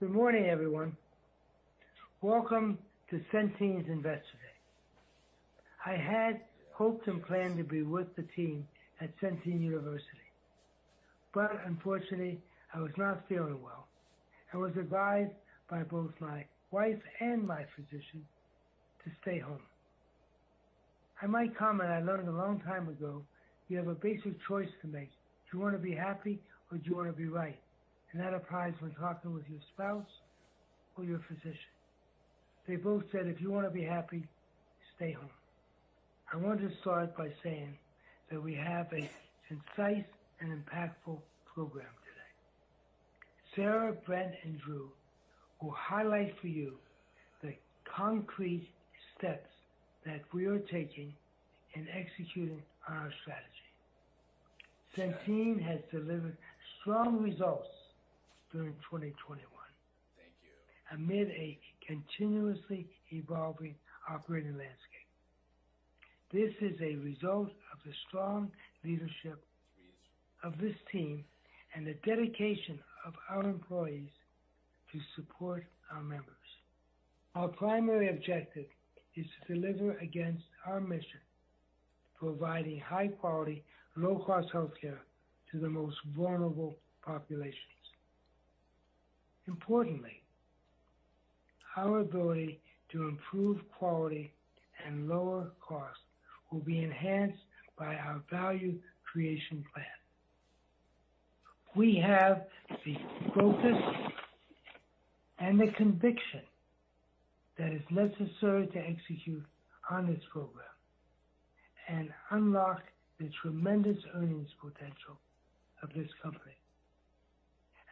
Good morning, everyone. Welcome to Centene's Investor Day. I had hoped and planned to be with the team at Centene University, but unfortunately, I was not feeling well. I was advised by both my wife and my physician to stay home. I might comment, I learned a long time ago you have a basic choice to make. Do you wanna be happy, or do you wanna be right? That applies when talking with your spouse or your physician. They both said, "If you wanna be happy, stay home." I want to start by saying that we have a concise and impactful program today. Sarah, Brent, and Drew will highlight for you the concrete steps that we are taking in executing our strategy. Centene has delivered strong results during 2021. Thank you. Amid a continuously evolving operating landscape. This is a result of the strong leadership of this team and the dedication of our employees to support our members. Our primary objective is to deliver against our mission, providing high quality, low cost healthcare to the most vulnerable populations. Importantly, our ability to improve quality and lower costs will be enhanced by our Value Creation Plan. We have the focus and the conviction that is necessary to execute on this program and unlock the tremendous earnings potential of this company.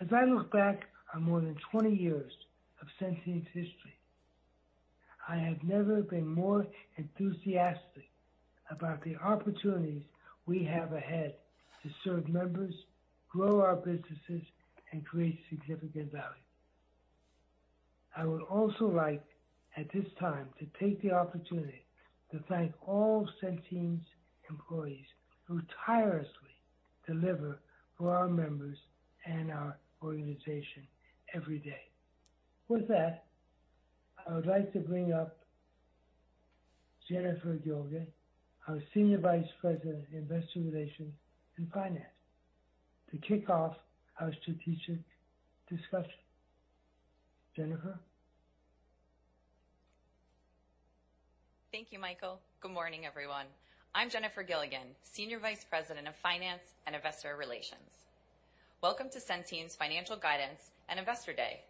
As I look back on more than 20 years of Centene's history, I have never been more enthusiastic about the opportunities we have ahead to serve members, grow our businesses, and create significant value. I would also like, at this time, to take the opportunity to thank all Centene's employees who tirelessly deliver for our members and our organization every day. With that, I would like to bring up Jennifer Gilligan, our Senior Vice President, Investor Relations and Finance, to kick off our strategic discussion. Jennifer? Thank you, Michael. Good morning, everyone. I'm Jennifer Gilligan, Senior Vice President of Finance and Investor Relations. Welcome to Centene's Financial Guidance and Investor Day.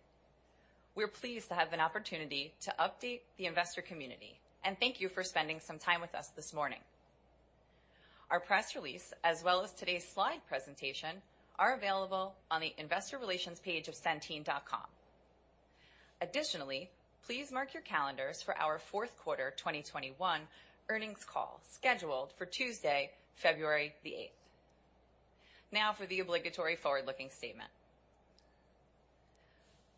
We're pleased to have an opportunity to update the investor community, and thank you for spending some time with us this morning. Our press release, as well as today's slide presentation, are available on the investor relations page of centene.com. Additionally, please mark your calendars for our fourth quarter 2021 earnings call, scheduled for Tuesday, February 8th. Now for the obligatory forward-looking statement.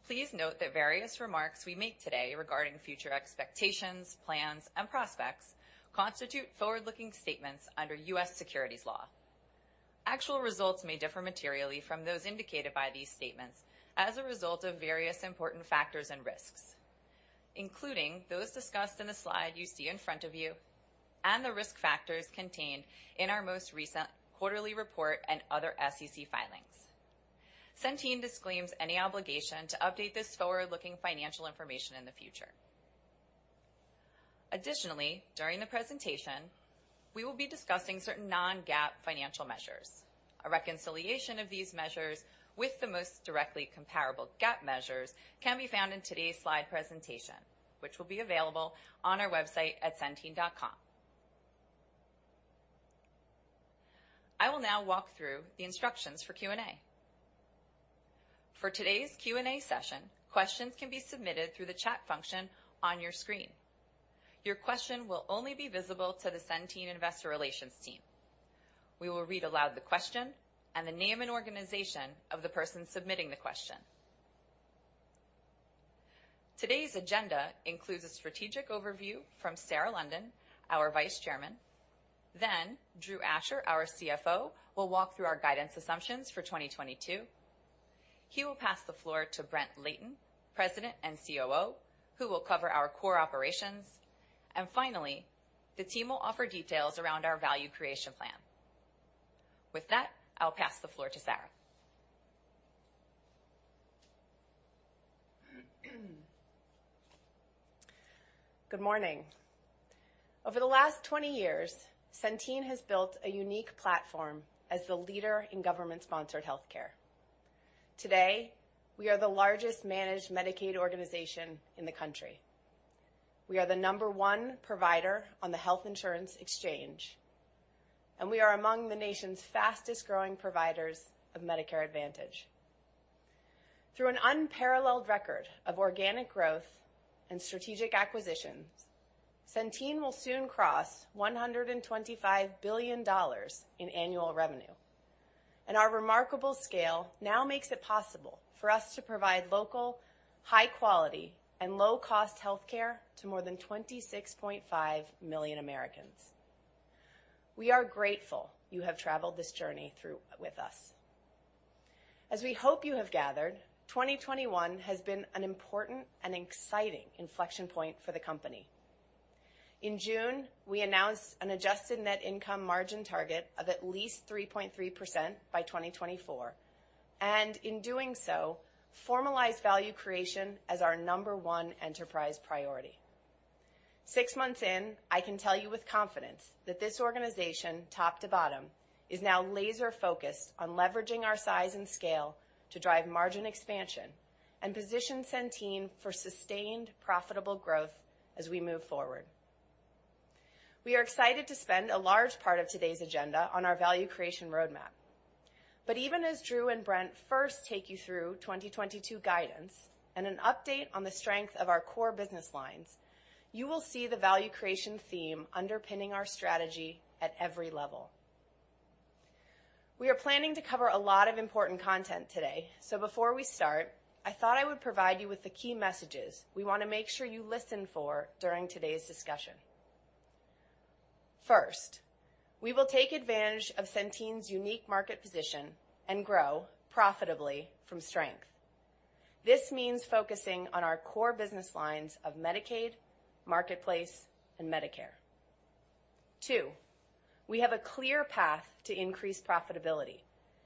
Please note that various remarks we make today regarding future expectations, plans, and prospects constitute forward-looking statements under U.S. securities law. Actual results may differ materially from those indicated by these statements as a result of various important factors and risks, including those discussed in the slide you see in front of you and the risk factors contained in our most recent quarterly report and other SEC filings. Centene disclaims any obligation to update this forward-looking financial information in the future. Additionally, during the presentation, we will be discussing certain non-GAAP financial measures. A reconciliation of these measures with the most directly comparable GAAP measures can be found in today's slide presentation, which will be available on our website at centene.com. I will now walk through the instructions for Q&A. For today's Q&A session, questions can be submitted through the chat function on your screen. Your question will only be visible to the Centene Investor Relations team. We will read aloud the question and the name and organization of the person submitting the question. Today's agenda includes a strategic overview from Sarah London, our Vice Chairman. Then Drew Asher, our CFO, will walk through our guidance assumptions for 2022. He will pass the floor to Brent Layton, President and COO, who will cover our core operations. Finally, the team will offer details around our Value Creation Plan. With that, I'll pass the floor to Sarah. Good morning. Over the last 20 years, Centene has built a unique platform as the leader in government-sponsored healthcare. Today, we are the largest managed Medicaid organization in the country. We are the number one provider on the Health Insurance Exchange, and we are among the nation's fastest-growing providers of Medicare Advantage. Through an unparalleled record of organic growth and strategic acquisitions, Centene will soon cross $125 billion in annual revenue. Our remarkable scale now makes it possible for us to provide local, high quality, and low cost healthcare to more than 26.5 million Americans. We are grateful you have traveled this journey through with us. As we hope you have gathered, 2021 has been an important and exciting inflection point for the company. In June, we announced an adjusted net income margin target of at least 3.3% by 2024, and in doing so, formalized value creation as our number one enterprise priority. Six months in, I can tell you with confidence that this organization, top to bottom, is now laser-focused on leveraging our size and scale to drive margin expansion and position Centene for sustained profitable growth as we move forward. We are excited to spend a large part of today's agenda on our value creation roadmap. Even as Drew and Brent first take you through 2022 guidance and an update on the strength of our core business lines, you will see the value creation theme underpinning our strategy at every level. We are planning to cover a lot of important content today, so before we start, I thought I would provide you with the key messages we wanna make sure you listen for during today's discussion. First, we will take advantage of Centene's unique market position and grow profitably from strength. This means focusing on our core business lines of Medicaid, Marketplace, and Medicare. Two, we have a clear path to increase profitability,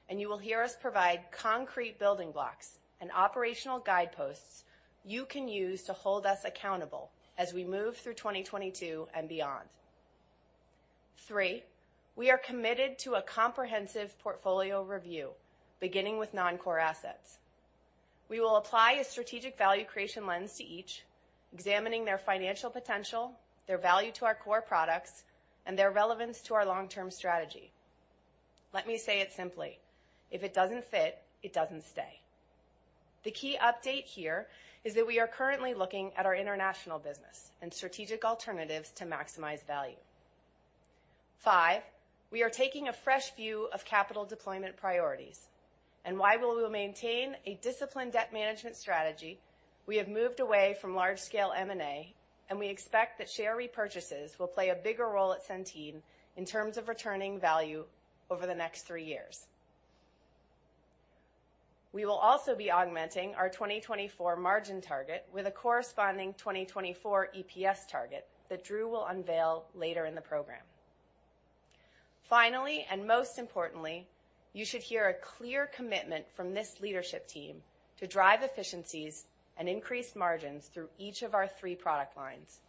and you will hear us provide concrete building blocks and operational guideposts you can use to hold us accountable as we move through 2022 and beyond. Three, we are committed to a comprehensive portfolio review, beginning with non-core assets. We will apply a strategic value creation lens to each, examining their financial potential, their value to our core products, and their relevance to our long-term strategy. Let me say it simply: If it doesn't fit, it doesn't stay. The key update here is that we are currently looking at our international business and strategic alternatives to maximize value. 5, we are taking a fresh view of capital deployment priorities, and while we will maintain a disciplined debt management strategy, we have moved away from large scale M&A, and we expect that share repurchases will play a bigger role at Centene in terms of returning value over the next three years. We will also be augmenting our 2024 margin target with a corresponding 2024 EPS target that Drew will unveil later in the program. Finally, and most importantly, you should hear a clear commitment from this leadership team to drive efficiencies and increase margins through each of our three product lines,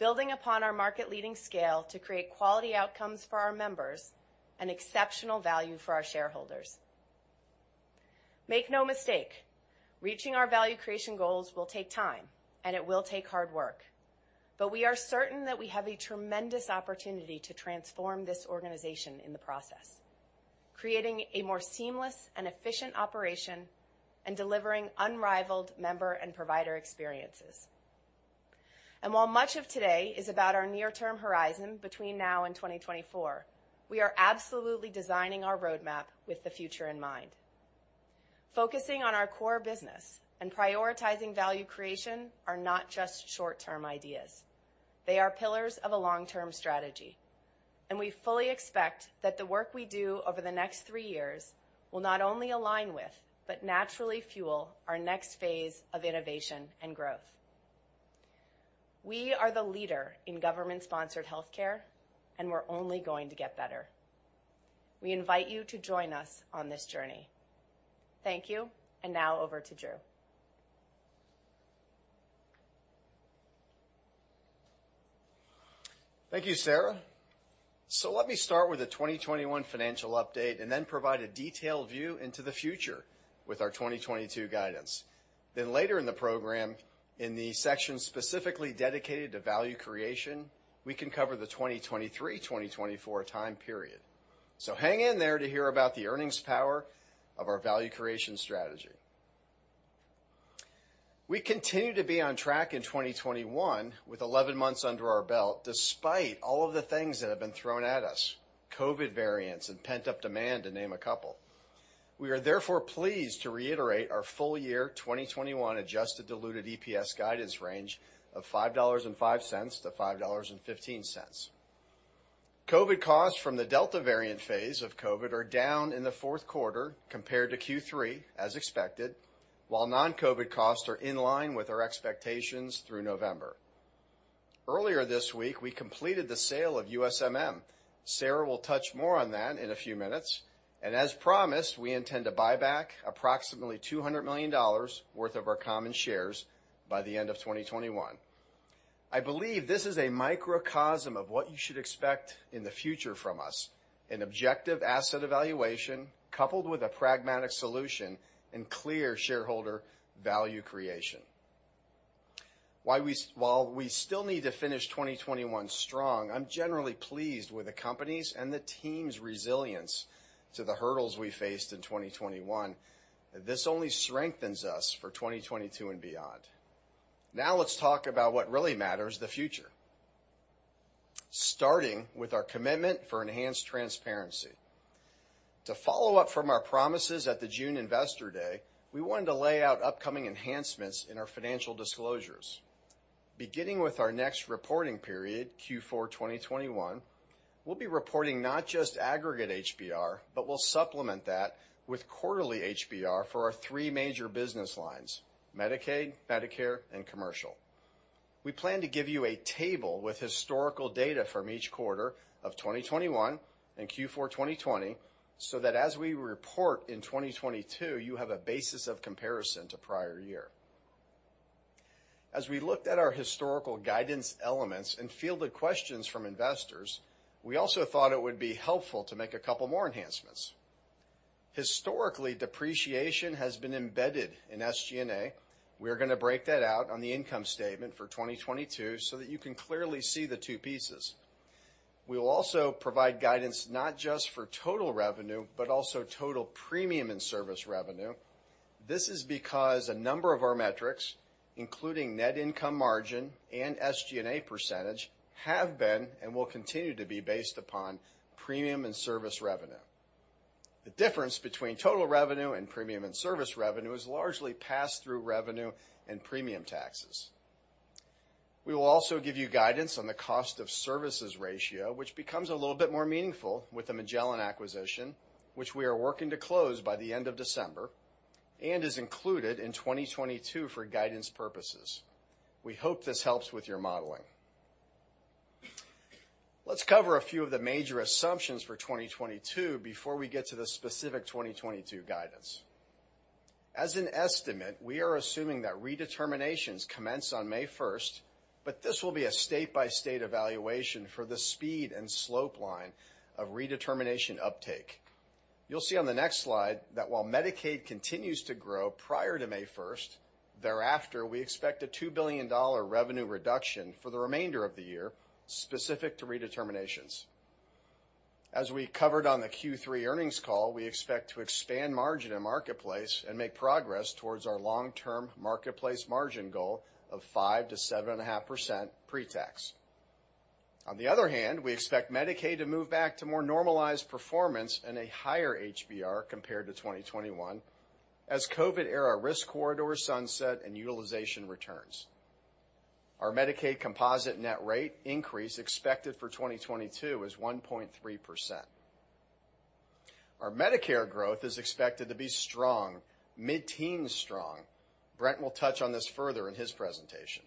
building upon our market leading scale to create quality outcomes for our members and exceptional value for our shareholders. Make no mistake, reaching our value creation goals will take time, and it will take hard work, but we are certain that we have a tremendous opportunity to transform this organization in the process, creating a more seamless and efficient operation and delivering unrivaled member and provider experiences. While much of today is about our near-term horizon between now and 2024, we are absolutely designing our roadmap with the future in mind. Focusing on our core business and prioritizing value creation are not just short-term ideas. They are pillars of a long-term strategy, and we fully expect that the work we do over the next three years will not only align with, but naturally fuel our next phase of innovation and growth. We are the leader in government-sponsored healthcare, and we're only going to get better. We invite you to join us on this journey. Thank you, and now over to Drew. Thank you, Sarah. Let me start with the 2021 financial update and then provide a detailed view into the future with our 2022 guidance. Later in the program, in the section specifically dedicated to Value Creation, we can cover the 2023/2024 time period. Hang in there to hear about the earnings power of our Value Creation strategy. We continue to be on track in 2021 with 11 months under our belt, despite all of the things that have been thrown at us, COVID variants and pent-up demand to name a couple. We are therefore pleased to reiterate our full-year 2021 adjusted diluted EPS guidance range of $5.05-$5.15. COVID costs from the Delta variant phase of COVID are down in the fourth quarter compared to Q3 as expected, while non-COVID costs are in line with our expectations through November. Earlier this week, we completed the sale of USMM. Sarah will touch more on that in a few minutes, and as promised, we intend to buy back approximately $200 million worth of our common shares by the end of 2021. I believe this is a microcosm of what you should expect in the future from us, an objective asset evaluation coupled with a pragmatic solution and clear shareholder value creation. While we still need to finish 2021 strong, I'm generally pleased with the company's and the team's resilience to the hurdles we faced in 2021. This only strengthens us for 2022 and beyond. Now let's talk about what really matters, the future. Starting with our commitment for enhanced transparency. To follow up from our promises at the June Investor Day, we wanted to lay out upcoming enhancements in our financial disclosures. Beginning with our next reporting period, Q4 2021, we'll be reporting not just aggregate HBR, but we'll supplement that with quarterly HBR for our three major business lines, Medicaid, Medicare, and Commercial. We plan to give you a table with historical data from each quarter of 2021 and Q4 2020, so that as we report in 2022, you have a basis of comparison to prior year. As we looked at our historical guidance elements and fielded questions from investors, we also thought it would be helpful to make a couple more enhancements. Historically, depreciation has been embedded in SG&A. We're going to break that out on the income statement for 2022 so that you can clearly see the two pieces. We will also provide guidance not just for total revenue, but also total premium and service revenue. This is because a number of our metrics, including net income margin and SG&A percentage, have been and will continue to be based upon premium and service revenue. The difference between total revenue and premium and service revenue is largely passed through revenue and premium taxes. We will also give you guidance on the cost of services ratio, which becomes a little bit more meaningful with the Magellan acquisition, which we are working to close by the end of December, and is included in 2022 for guidance purposes. We hope this helps with your modeling. Let's cover a few of the major assumptions for 2022 before we get to the specific 2022 guidance. As an estimate, we are assuming that redeterminations commence on May 1st, but this will be a state-by-state evaluation for the speed and slope line of redetermination uptake. You'll see on the next slide that while Medicaid continues to grow prior to May 1st, thereafter, we expect a $2 billion revenue reduction for the remainder of the year, specific to redeterminations. As we covered on the Q3 earnings call, we expect to expand margin in Marketplace and make progress towards our long-term Marketplace margin goal of 5%-7.5% pre-tax. On the other hand, we expect Medicaid to move back to more normalized performance and a higher HBR compared to 2021 as COVID era Risk Corridor sunset and utilization returns. Our Medicaid composite net rate increase expected for 2022 is 1.3%. Our Medicare growth is expected to be strong, mid-teens strong. Brent will touch on this further in his presentation.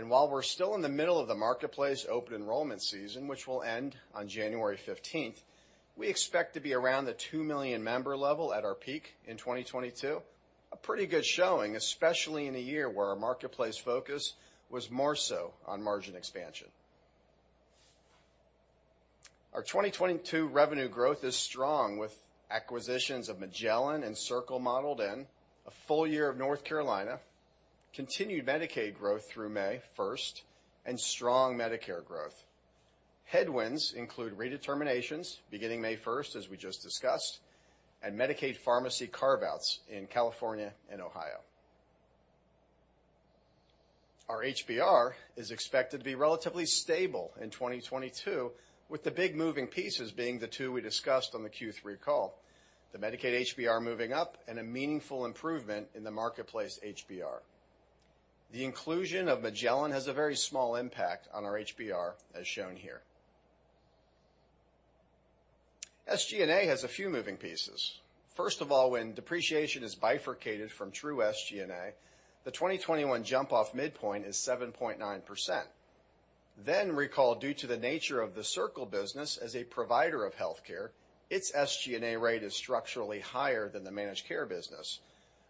While we're still in the middle of the Marketplace open enrollment season, which will end on January 15th, we expect to be around the 2 million-member level at our peak in 2022. A pretty good showing, especially in a year where our Marketplace focus was more so on margin expansion. Our 2022 revenue growth is strong with acquisitions of Magellan and Circle modeled in, a full year of North Carolina, continued Medicaid growth through May 1st, and strong Medicare growth. Headwinds include redeterminations beginning May 1st, as we just discussed, and Medicaid pharmacy carve-outs in California and Ohio. Our HBR is expected to be relatively stable in 2022, with the big moving pieces being the two we discussed on the Q3 call, the Medicaid HBR moving up and a meaningful improvement in the Marketplace HBR. The inclusion of Magellan has a very small impact on our HBR, as shown here. SG&A has a few moving pieces. First of all, when depreciation is bifurcated from true SG&A, the 2021 jump-off midpoint is 7.9%. Then recall, due to the nature of the Circle business as a provider of healthcare, its SG&A rate is structurally higher than the managed care business.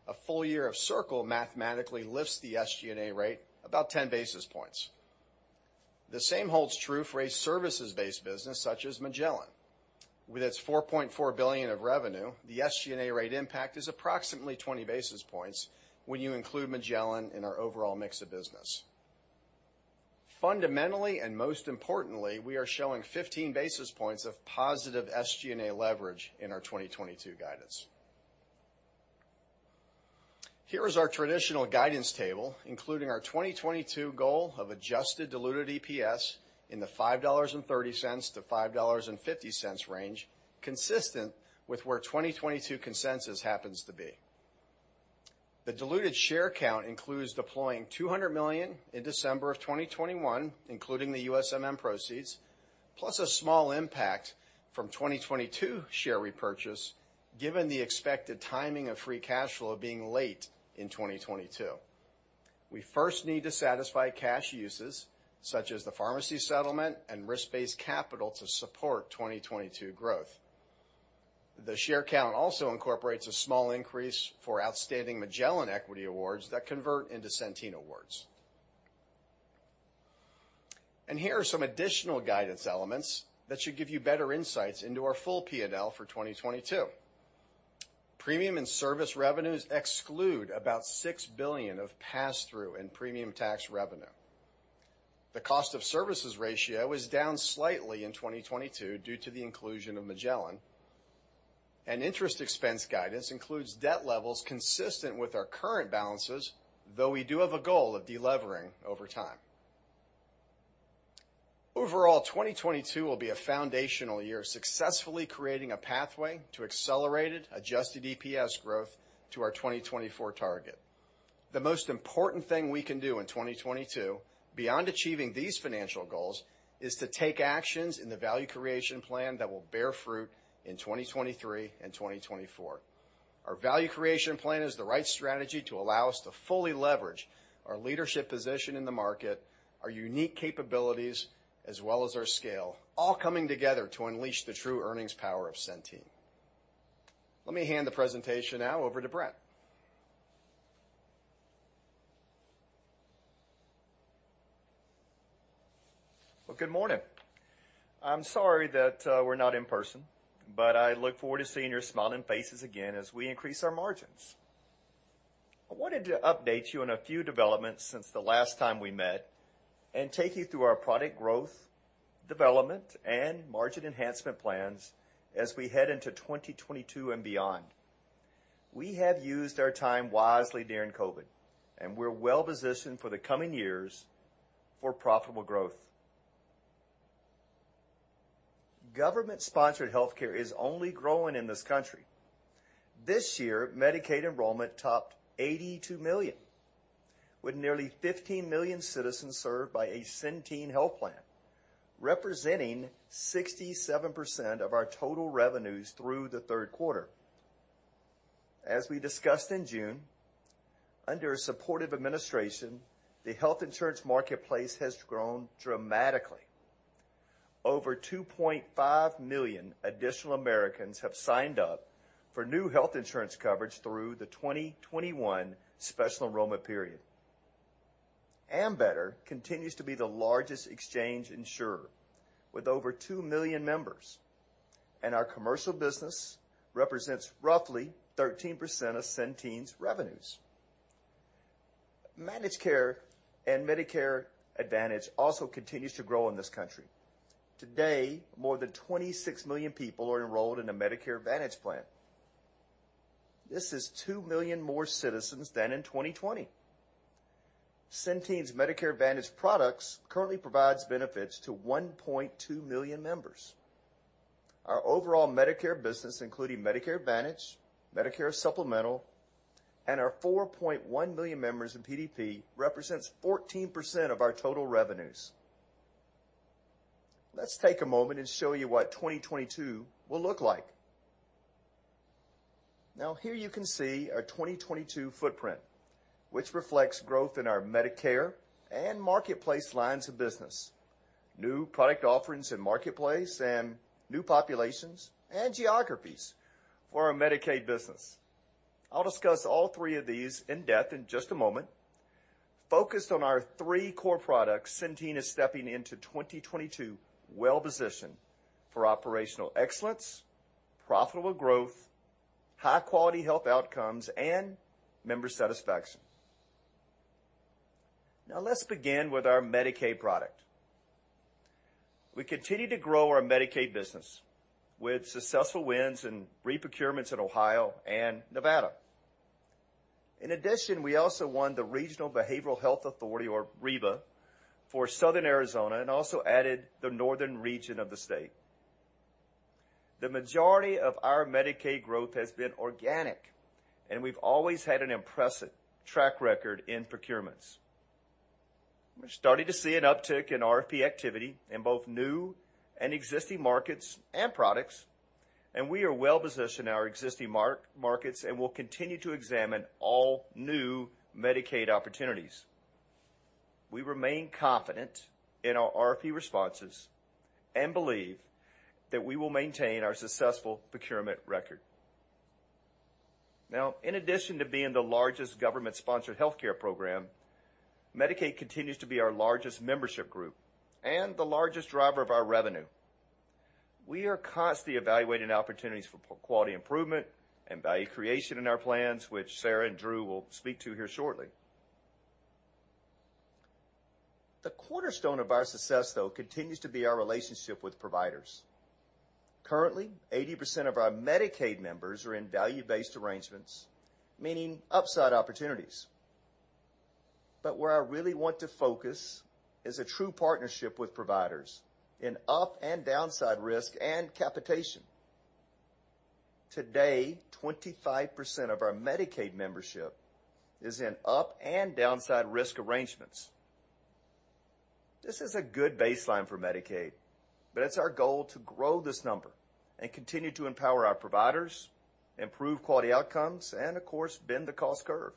A full year of Circle mathematically lifts the SG&A rate about 10 basis points. The same holds true for a services-based business such as Magellan. With its $4.4 billion of revenue, the SG&A rate impact is approximately 20 basis points when you include Magellan in our overall mix of business. Fundamentally, and most importantly, we are showing 15 basis points of positive SG&A leverage in our 2022 guidance. Here is our traditional guidance table, including our 2022 goal of adjusted diluted EPS in the $5.30-$5.50 range, consistent with where 2022 consensus happens to be. The diluted share count includes deploying $200 million in December 2021, including the USMM proceeds, plus a small impact from 2022 share repurchase, given the expected timing of free cash flow being late in 2022. We first need to satisfy cash uses, such as the pharmacy settlement and risk-based capital to support 2022 growth. The share count also incorporates a small increase for outstanding Magellan equity awards that convert into Centene awards. Here are some additional guidance elements that should give you better insights into our full P&L for 2022. Premium and service revenues exclude about $6 billion of pass-through and premium tax revenue. The cost of services ratio is down slightly in 2022 due to the inclusion of Magellan. Interest expense guidance includes debt levels consistent with our current balances, though we do have a goal of de-levering over time. Overall, 2022 will be a foundational year, successfully creating a pathway to accelerated adjusted EPS growth to our 2024 target. The most important thing we can do in 2022 beyond achieving these financial goals is to take actions in the Value Creation Plan that will bear fruit in 2023 and 2024. Our Value Creation Plan is the right strategy to allow us to fully leverage our leadership position in the market, our unique capabilities, as well as our scale, all coming together to unleash the true earnings power of Centene. Let me hand the presentation now over to Brent. Well, good morning. I'm sorry that we're not in person, but I look forward to seeing your smiling faces again as we increase our margins. I wanted to update you on a few developments since the last time we met and take you through our product growth, development, and margin enhancement plans as we head into 2022 and beyond. We have used our time wisely during COVID, and we're well-positioned for the coming years for profitable growth. Government-sponsored healthcare is only growing in this country. This year, Medicaid enrollment topped 82 million, with nearly 15 million citizens served by a Centene health plan, representing 67% of our total revenues through the third quarter. As we discussed in June, under a supportive administration, the health insurance marketplace has grown dramatically. Over 2.5 million additional Americans have signed up for new health insurance coverage through the 2021 special enrollment period. Ambetter continues to be the largest exchange insurer with over two million members, and our commercial business represents roughly 13% of Centene's revenues. Managed care and Medicare Advantage also continues to grow in this country. Today, more than 26 million people are enrolled in a Medicare Advantage plan. This is 2 million more citizens than in 2020. Centene's Medicare Advantage products currently provides benefits to 1.2 million members. Our overall Medicare business, including Medicare Advantage, Medicare Supplement, and our 4.1 million members in PDP, represents 14% of our total revenues. Let's take a moment and show you what 2022 will look like. Now, here you can see our 2022 footprint, which reflects growth in our Medicare and marketplace lines of business, new product offerings in marketplace, and new populations and geographies for our Medicaid business. I'll discuss all three of these in depth in just a moment. Focused on our three core products, Centene is stepping into 2022 well-positioned for operational excellence, profitable growth, high-quality health outcomes, and member satisfaction. Now, let's begin with our Medicaid product. We continue to grow our Medicaid business with successful wins and re-procurements in Ohio and Nevada. In addition, we also won the Regional Behavioral Health Authority, or RBHA, for Southern Arizona and also added the northern region of the state. The majority of our Medicaid growth has been organic, and we've always had an impressive track record in procurements. We're starting to see an uptick in RFP activity in both new and existing markets and products, and we are well-positioned in our existing markets and will continue to examine all new Medicaid opportunities. We remain confident in our RFP responses and believe that we will maintain our successful procurement record. Now, in addition to being the largest government-sponsored healthcare program, Medicaid continues to be our largest membership group and the largest driver of our revenue. We are constantly evaluating opportunities for quality improvement and value creation in our plans, which Sarah and Drew will speak to here shortly. The cornerstone of our success, though, continues to be our relationship with providers. Currently, 80% of our Medicaid members are in value-based arrangements, meaning upside opportunities. Where I really want to focus is a true partnership with providers in up and downside risk and capitation. Today, 25% of our Medicaid membership is in upside and downside risk arrangements. This is a good baseline for Medicaid, but it's our goal to grow this number and continue to empower our providers, improve quality outcomes, and of course, bend the cost curve.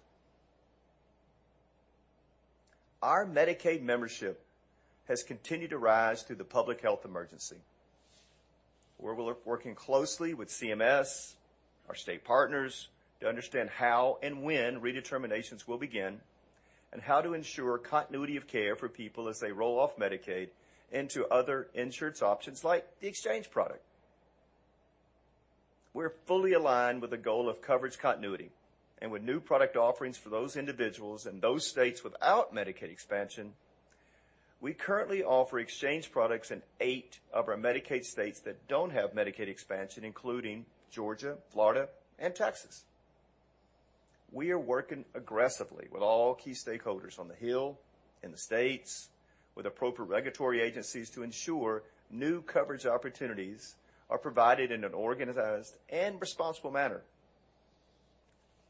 Our Medicaid membership has continued to rise through the public health emergency. We're working closely with CMS, our state partners to understand how and when redeterminations will begin and how to ensure continuity of care for people as they roll off Medicaid into other insurance options like the exchange product. We're fully aligned with the goal of coverage continuity and with new product offerings for those individuals in those states without Medicaid expansion. We currently offer exchange products in eight of our Medicaid states that don't have Medicaid expansion, including Georgia, Florida, and Texas. We are working aggressively with all key stakeholders on the Hill, in the states, with appropriate regulatory agencies to ensure new coverage opportunities are provided in an organized and responsible manner.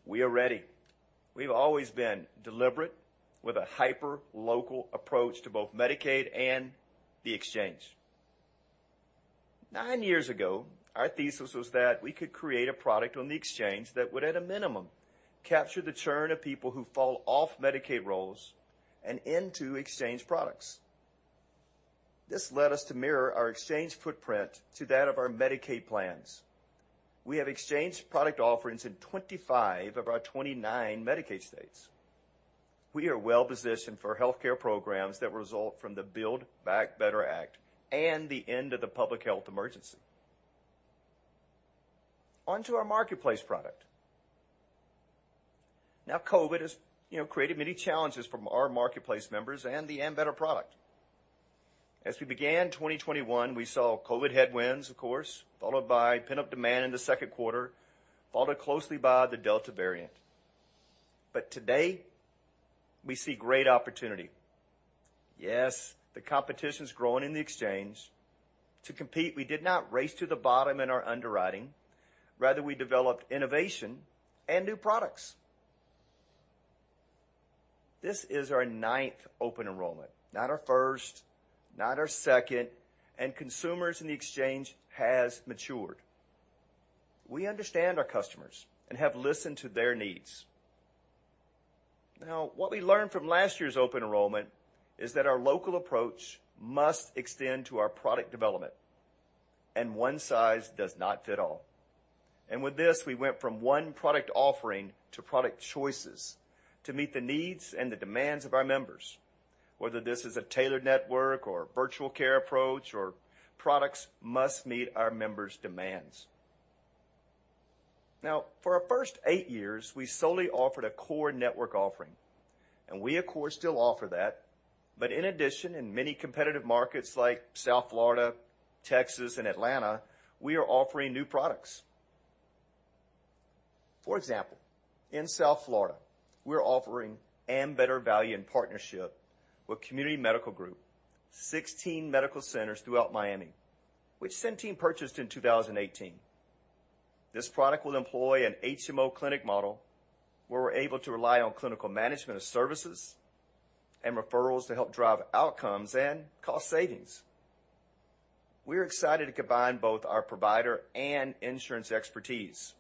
We are ready. We've always been deliberate with a hyperlocal approach to both Medicaid and the exchange. Nine years ago, our thesis was that we could create a product on the exchange that would at a minimum capture the churn of people who fall off Medicaid rolls and into exchange products. This led us to mirror our exchange footprint to that of our Medicaid plans. We have exchange product offerings in 25 of our 29 Medicaid states. We are well-positioned for healthcare programs that result from the Build Back Better Act and the end of the public health emergency. On to our Marketplace product. Now, COVID has, you know, created many challenges from our Marketplace members and the Ambetter product. As we began 2021, we saw COVID headwinds, of course, followed by pent-up demand in the second quarter, followed closely by the Delta variant. Today, we see great opportunity. Yes, the competition's growing in the exchange. To compete, we did not race to the bottom in our underwriting. Rather, we developed innovation and new products. This is our ninth open enrollment, not our first, not our second, and consumers in the exchange has matured. We understand our customers and have listened to their needs. Now, what we learned from last year's open enrollment is that our local approach must extend to our product development, and one size does not fit all. With this, we went from one product offering to product choices to meet the needs and the demands of our members. Whether this is a tailored network or virtual care approach or products must meet our members' demands. Now, for our first eight years, we solely offered a core network offering, and we of course still offer that. But in addition, in many competitive markets like South Florida, Texas, and Atlanta, we are offering new products. For example, in South Florida, we're offering Ambetter Value in partnership with Community Medical Group, 16 medical centers throughout Miami, which Centene purchased in 2018. This product will employ an HMO clinic model, where we're able to rely on clinical management of services and referrals to help drive outcomes and cost savings. We're excited to combine both our provider and insurance expertise.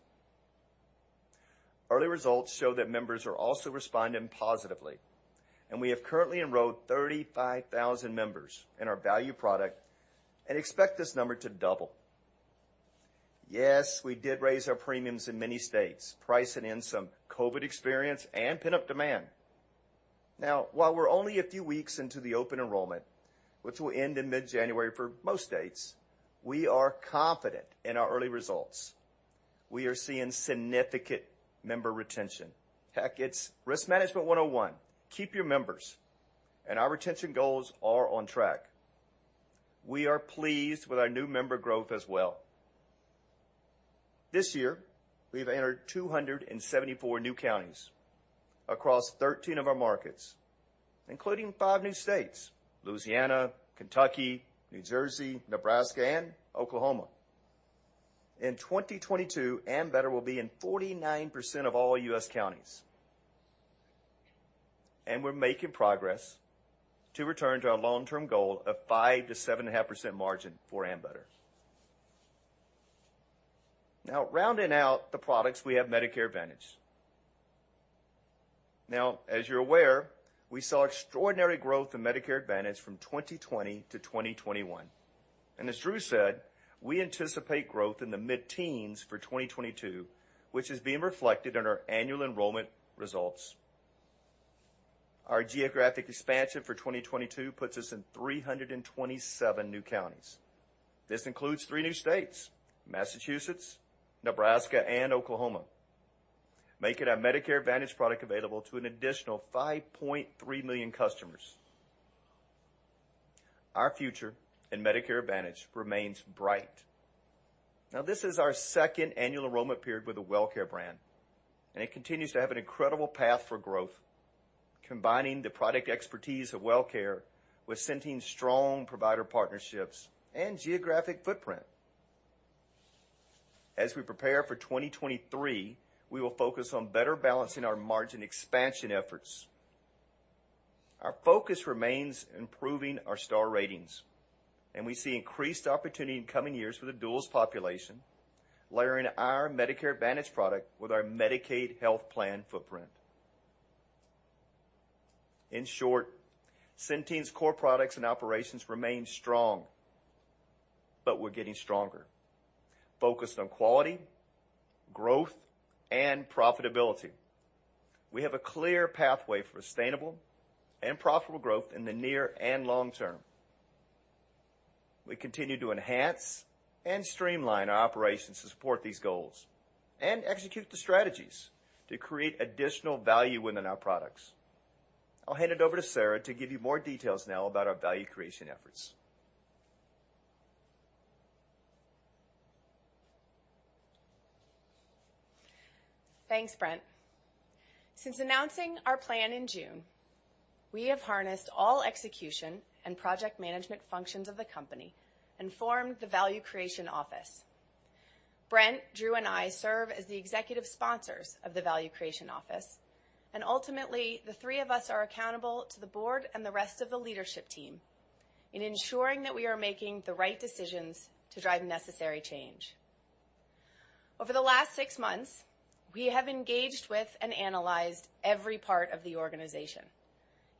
Early results show that members are also responding positively, and we have currently enrolled 35,000 members in our value product and expect this number to double. Yes, we did raise our premiums in many states, pricing in some COVID experience and pent-up demand. Now, while we're only a few weeks into the open enrollment, which will end in mid-January for most states, we are confident in our early results. We are seeing significant member retention. Heck, it's risk management 101. Keep your members. Our retention goals are on track. We are pleased with our new member growth as well. This year, we've entered 274 new counties across 13 of our markets, including five new states, Louisiana, Kentucky, New Jersey, Nebraska, and Oklahoma. In 2022, Ambetter will be in 49% of all U.S. counties. We're making progress to return to our long-term goal of 5%-7.5% margin for Ambetter. Now, rounding out the products, we have Medicare Advantage. Now, as you're aware, we saw extraordinary growth in Medicare Advantage from 2020 to 2021. As Drew said, we anticipate growth in the mid-teens for 2022, which is being reflected in our annual enrollment results. Our geographic expansion for 2022 puts us in 327 new counties. This includes three new states, Massachusetts, Nebraska, and Oklahoma, making our Medicare Advantage product available to an additional 5.3 million customers. Our future in Medicare Advantage remains bright. Now, this is our second annual enrollment period with the Wellcare brand, and it continues to have an incredible path for growth, combining the product expertise of Wellcare with Centene's strong provider partnerships and geographic footprint. As we prepare for 2023, we will focus on better balancing our margin expansion efforts. Our focus remains improving our Star Ratings, and we see increased opportunity in coming years with the duals population, layering our Medicare Advantage product with our Medicaid health plan footprint. In short, Centene's core products and operations remain strong, but we're getting stronger, focused on quality, growth, and profitability. We have a clear pathway for sustainable and profitable growth in the near and long term. We continue to enhance and streamline our operations to support these goals and execute the strategies to create additional value within our products. I'll hand it over to Sarah to give you more details now about our value creation efforts. Thanks, Brent. Since announcing our plan in June, we have harnessed all execution and project management functions of the company and formed the Value Creation Office. Brent, Drew, and I serve as the executive sponsors of the Value Creation Office, and ultimately, the three of us are accountable to the board and the rest of the leadership team in ensuring that we are making the right decisions to drive necessary change. Over the last six months, we have engaged with and analyzed every part of the organization,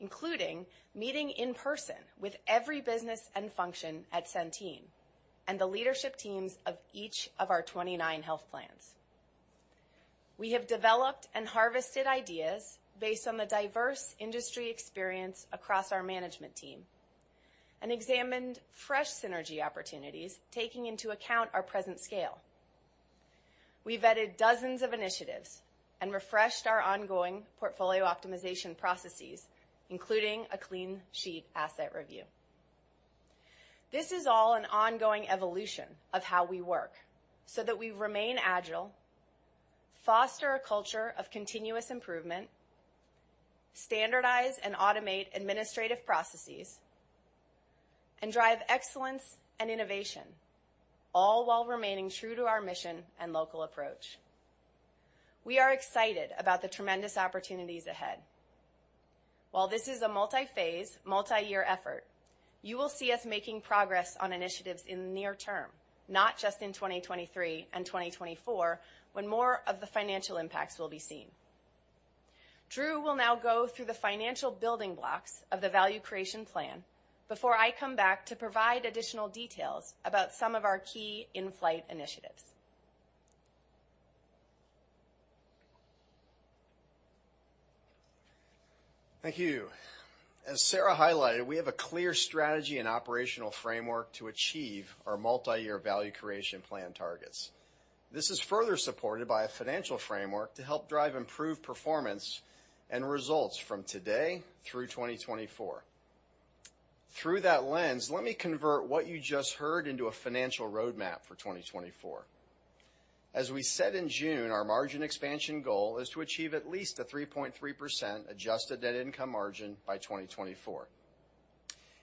including meeting in person with every business and function at Centene and the leadership teams of each of our 29 health plans. We have developed and harvested ideas based on the diverse industry experience across our management team and examined fresh synergy opportunities, taking into account our present scale. We vetted dozens of initiatives and refreshed our ongoing portfolio optimization processes, including a clean sheet asset review. This is all an ongoing evolution of how we work so that we remain agile, foster a culture of continuous improvement, standardize and automate administrative processes, and drive excellence and innovation, all while remaining true to our mission and local approach. We are excited about the tremendous opportunities ahead. While this is a multi-phase, multi-year effort, you will see us making progress on initiatives in the near term, not just in 2023 and 2024, when more of the financial impacts will be seen. Drew will now go through the financial building blocks of the Value Creation Plan before I come back to provide additional details about some of our key in-flight initiatives. Thank you. As Sarah highlighted, we have a clear strategy and operational framework to achieve our multi-year value creation plan targets. This is further supported by a financial framework to help drive improved performance and results from today through 2024. Through that lens, let me convert what you just heard into a financial roadmap for 2024. As we said in June, our margin expansion goal is to achieve at least a 3.3% adjusted net income margin by 2024.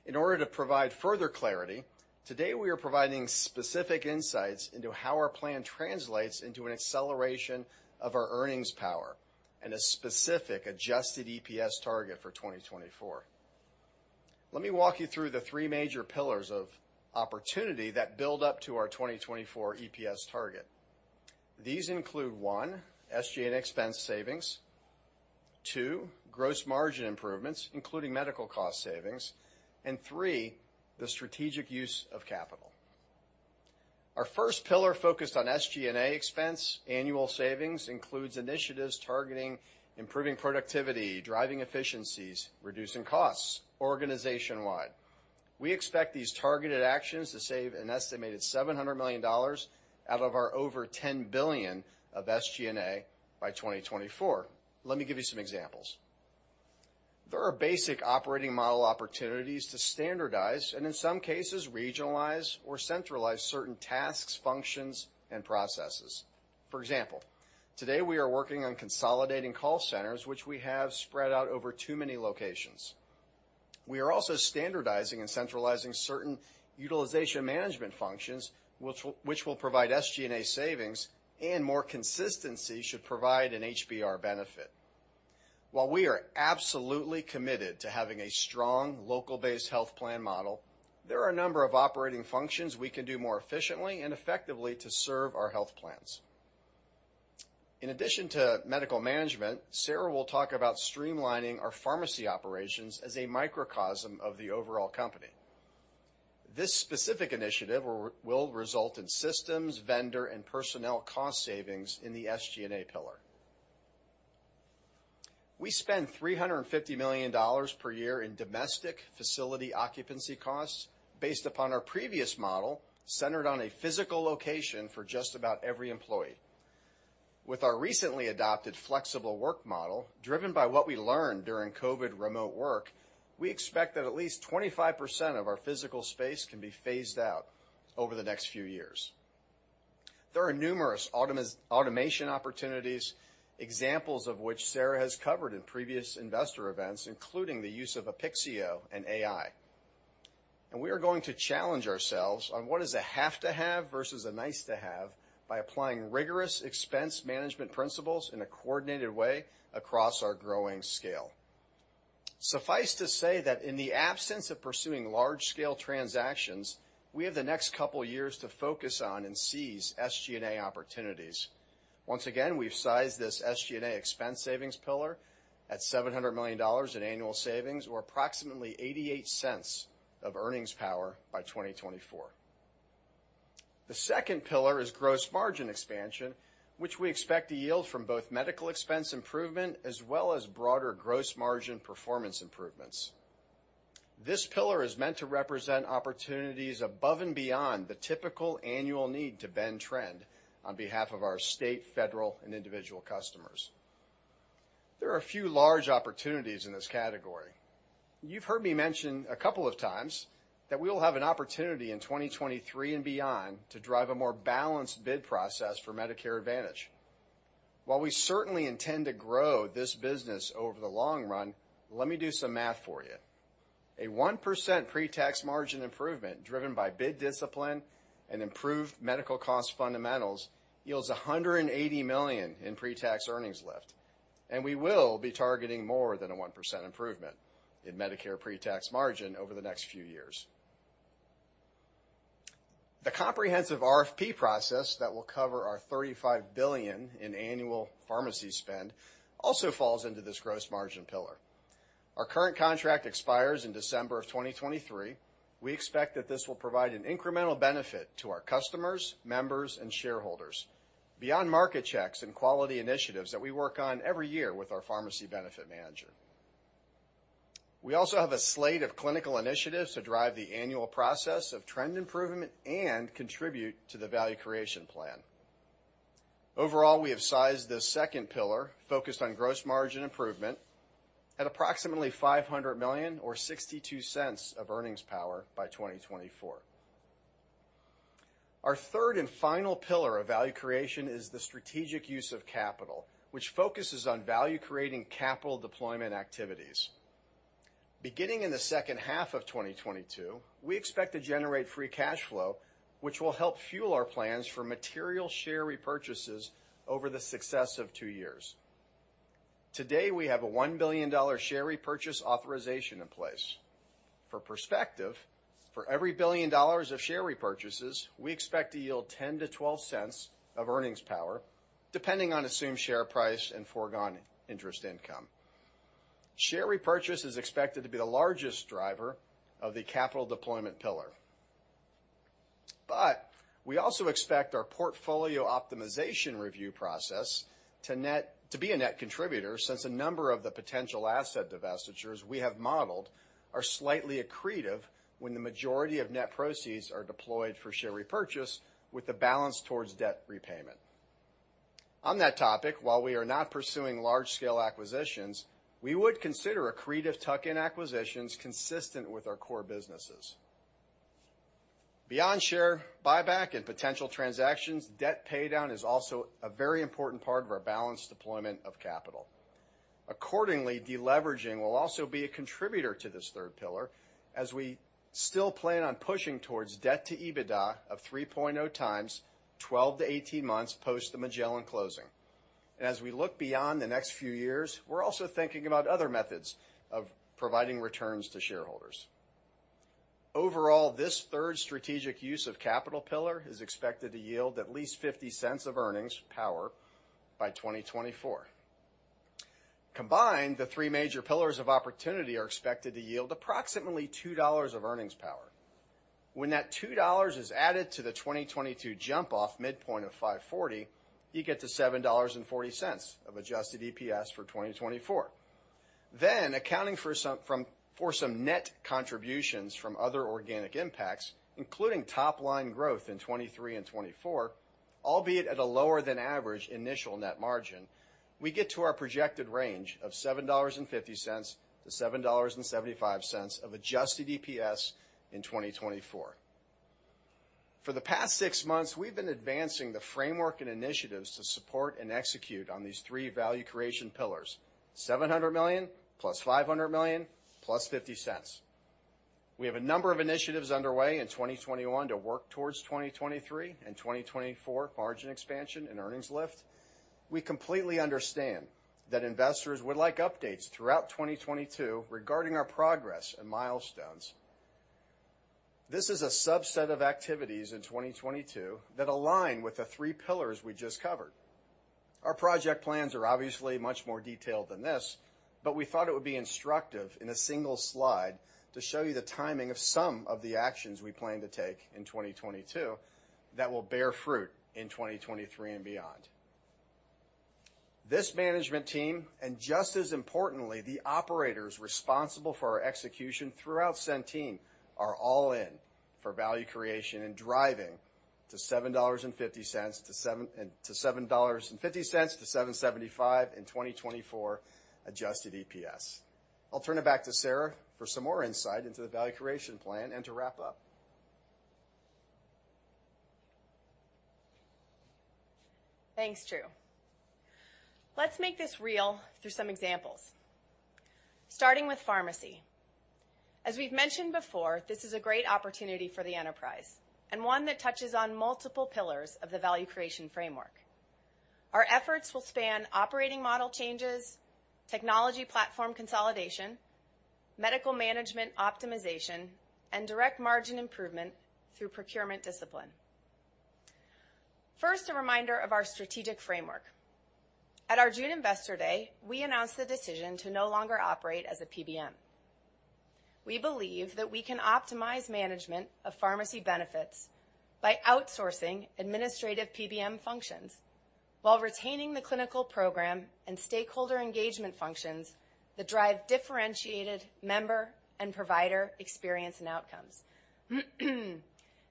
In order to provide further clarity, today we are providing specific insights into how our plan translates into an acceleration of our earnings power and a specific adjusted EPS target for 2024. Let me walk you through the three major pillars of opportunity that build up to our 2024 EPS target. These include, one, SG&A expense savings. Two, gross margin improvements, including medical cost savings. Three, the strategic use of capital. Our first pillar focused on SG&A expense annual savings includes initiatives targeting improving productivity, driving efficiencies, reducing costs organization-wide. We expect these targeted actions to save an estimated $700 million out of our over $10 billion of SG&A by 2024. Let me give you some examples. There are basic operating model opportunities to standardize and in some cases regionalize or centralize certain tasks, functions, and processes. For example, today we are working on consolidating call centers, which we have spread out over too many locations. We are also standardizing and centralizing certain utilization management functions, which will provide SG&A savings and more consistency should provide an HBR benefit. While we are absolutely committed to having a strong local-based health plan model, there are a number of operating functions we can do more efficiently and effectively to serve our health plans. In addition to medical management, Sarah will talk about streamlining our pharmacy operations as a microcosm of the overall company. This specific initiative will result in systems, vendor, and personnel cost savings in the SG&A pillar. We spend $350 million per year in domestic facility occupancy costs based upon our previous model centered on a physical location for just about every employee. With our recently adopted flexible work model, driven by what we learned during COVID remote work, we expect that at least 25% of our physical space can be phased out over the next few years. There are numerous automation opportunities, examples of which Sarah has covered in previous investor events, including the use of Apixio and AI. We are going to challenge ourselves on what is a have to have versus a nice to have by applying rigorous expense management principles in a coordinated way across our growing scale. Suffice to say that in the absence of pursuing large-scale transactions, we have the next couple years to focus on and seize SG&A opportunities. Once again, we've sized this SG&A expense savings pillar at $700 million in annual savings or approximately $0.88 of earnings power by 2024. The second pillar is gross margin expansion, which we expect to yield from both medical expense improvement as well as broader gross margin performance improvements. This pillar is meant to represent opportunities above and beyond the typical annual need to bend trend on behalf of our state, federal, and individual customers. There are a few large opportunities in this category. You've heard me mention a couple of times that we will have an opportunity in 2023 and beyond to drive a more balanced bid process for Medicare Advantage. While we certainly intend to grow this business over the long run, let me do some math for you. A 1% pretax margin improvement driven by bid discipline and improved medical cost fundamentals yields $180 million in pretax earnings lift, and we will be targeting more than a 1% improvement in Medicare pretax margin over the next few years. The comprehensive RFP process that will cover our $35 billion in annual pharmacy spend also falls into this gross margin pillar. Our current contract expires in December of 2023. We expect that this will provide an incremental benefit to our customers, members, and shareholders beyond market checks and quality initiatives that we work on every year with our pharmacy benefit manager. We also have a slate of clinical initiatives to drive the annual process of trend improvement and contribute to the Value Creation Plan. Overall, we have sized the second pillar focused on gross margin improvement at approximately $500 million or $0.62 of earnings power by 2024. Our third and final pillar of value creation is the strategic use of capital, which focuses on value-creating capital deployment activities. Beginning in the second half of 2022, we expect to generate free cash flow, which will help fuel our plans for material share repurchases over the course of two years. Today, we have a $1 billion share repurchase authorization in place. For perspective, for every $1 billion of share repurchases, we expect to yield $0.10-$0.12 of earnings power, depending on assumed share price and foregone interest income. Share repurchase is expected to be the largest driver of the capital deployment pillar. We also expect our portfolio optimization review process to be a net contributor, since a number of the potential asset divestitures we have modeled are slightly accretive when the majority of net proceeds are deployed for share repurchase with the balance towards debt repayment. On that topic, while we are not pursuing large-scale acquisitions, we would consider accretive tuck-in acquisitions consistent with our core businesses. Beyond share buyback and potential transactions, debt paydown is also a very important part of our balanced deployment of capital. Accordingly, deleveraging will also be a contributor to this third pillar as we still plan on pushing towards debt-to-EBITDA of 3.0x 12 months-18 months post the Magellan closing. As we look beyond the next few years, we're also thinking about other methods of providing returns to shareholders. Overall, this third strategic use of capital pillar is expected to yield at least $0.50 of earnings power by 2024. Combined, the three major pillars of opportunity are expected to yield approximately $2 of earnings power. When that $2 is added to the 2022 jump-off midpoint of $5.40, you get to $7.40 of adjusted EPS for 2024. Accounting for some net contributions from other organic impacts, including top-line growth in 2023 and 2024, albeit at a lower than average initial net margin, we get to our projected range of $7.50-$7.75 of adjusted EPS in 2024. For the past six months, we've been advancing the framework and initiatives to support and execute on these three value creation pillars, $700 million + $500 million + $0.50. We have a number of initiatives underway in 2021 to work towards 2023 and 2024 margin expansion and earnings lift. We completely understand that investors would like updates throughout 2022 regarding our progress and milestones. This is a subset of activities in 2022 that align with the three pillars we just covered. Our project plans are obviously much more detailed than this, but we thought it would be instructive in a single slide to show you the timing of some of the actions we plan to take in 2022 that will bear fruit in 2023 and beyond. This management team, and just as importantly, the operators responsible for our execution throughout Centene are all in for value creation and driving to $7.50-$7.75 in 2024 adjusted EPS. I'll turn it back to Sarah for some more insight into the value creation plan and to wrap up. Thanks, Drew. Let's make this real through some examples, starting with pharmacy. As we've mentioned before, this is a great opportunity for the enterprise and one that touches on multiple pillars of the value creation framework. Our efforts will span operating model changes, technology platform consolidation, medical management optimization, and direct margin improvement through procurement discipline. First, a reminder of our strategic framework. At our June Investor Day, we announced the decision to no longer operate as a PBM. We believe that we can optimize management of pharmacy benefits by outsourcing administrative PBM functions while retaining the clinical program and stakeholder engagement functions that drive differentiated member and provider experience and outcomes.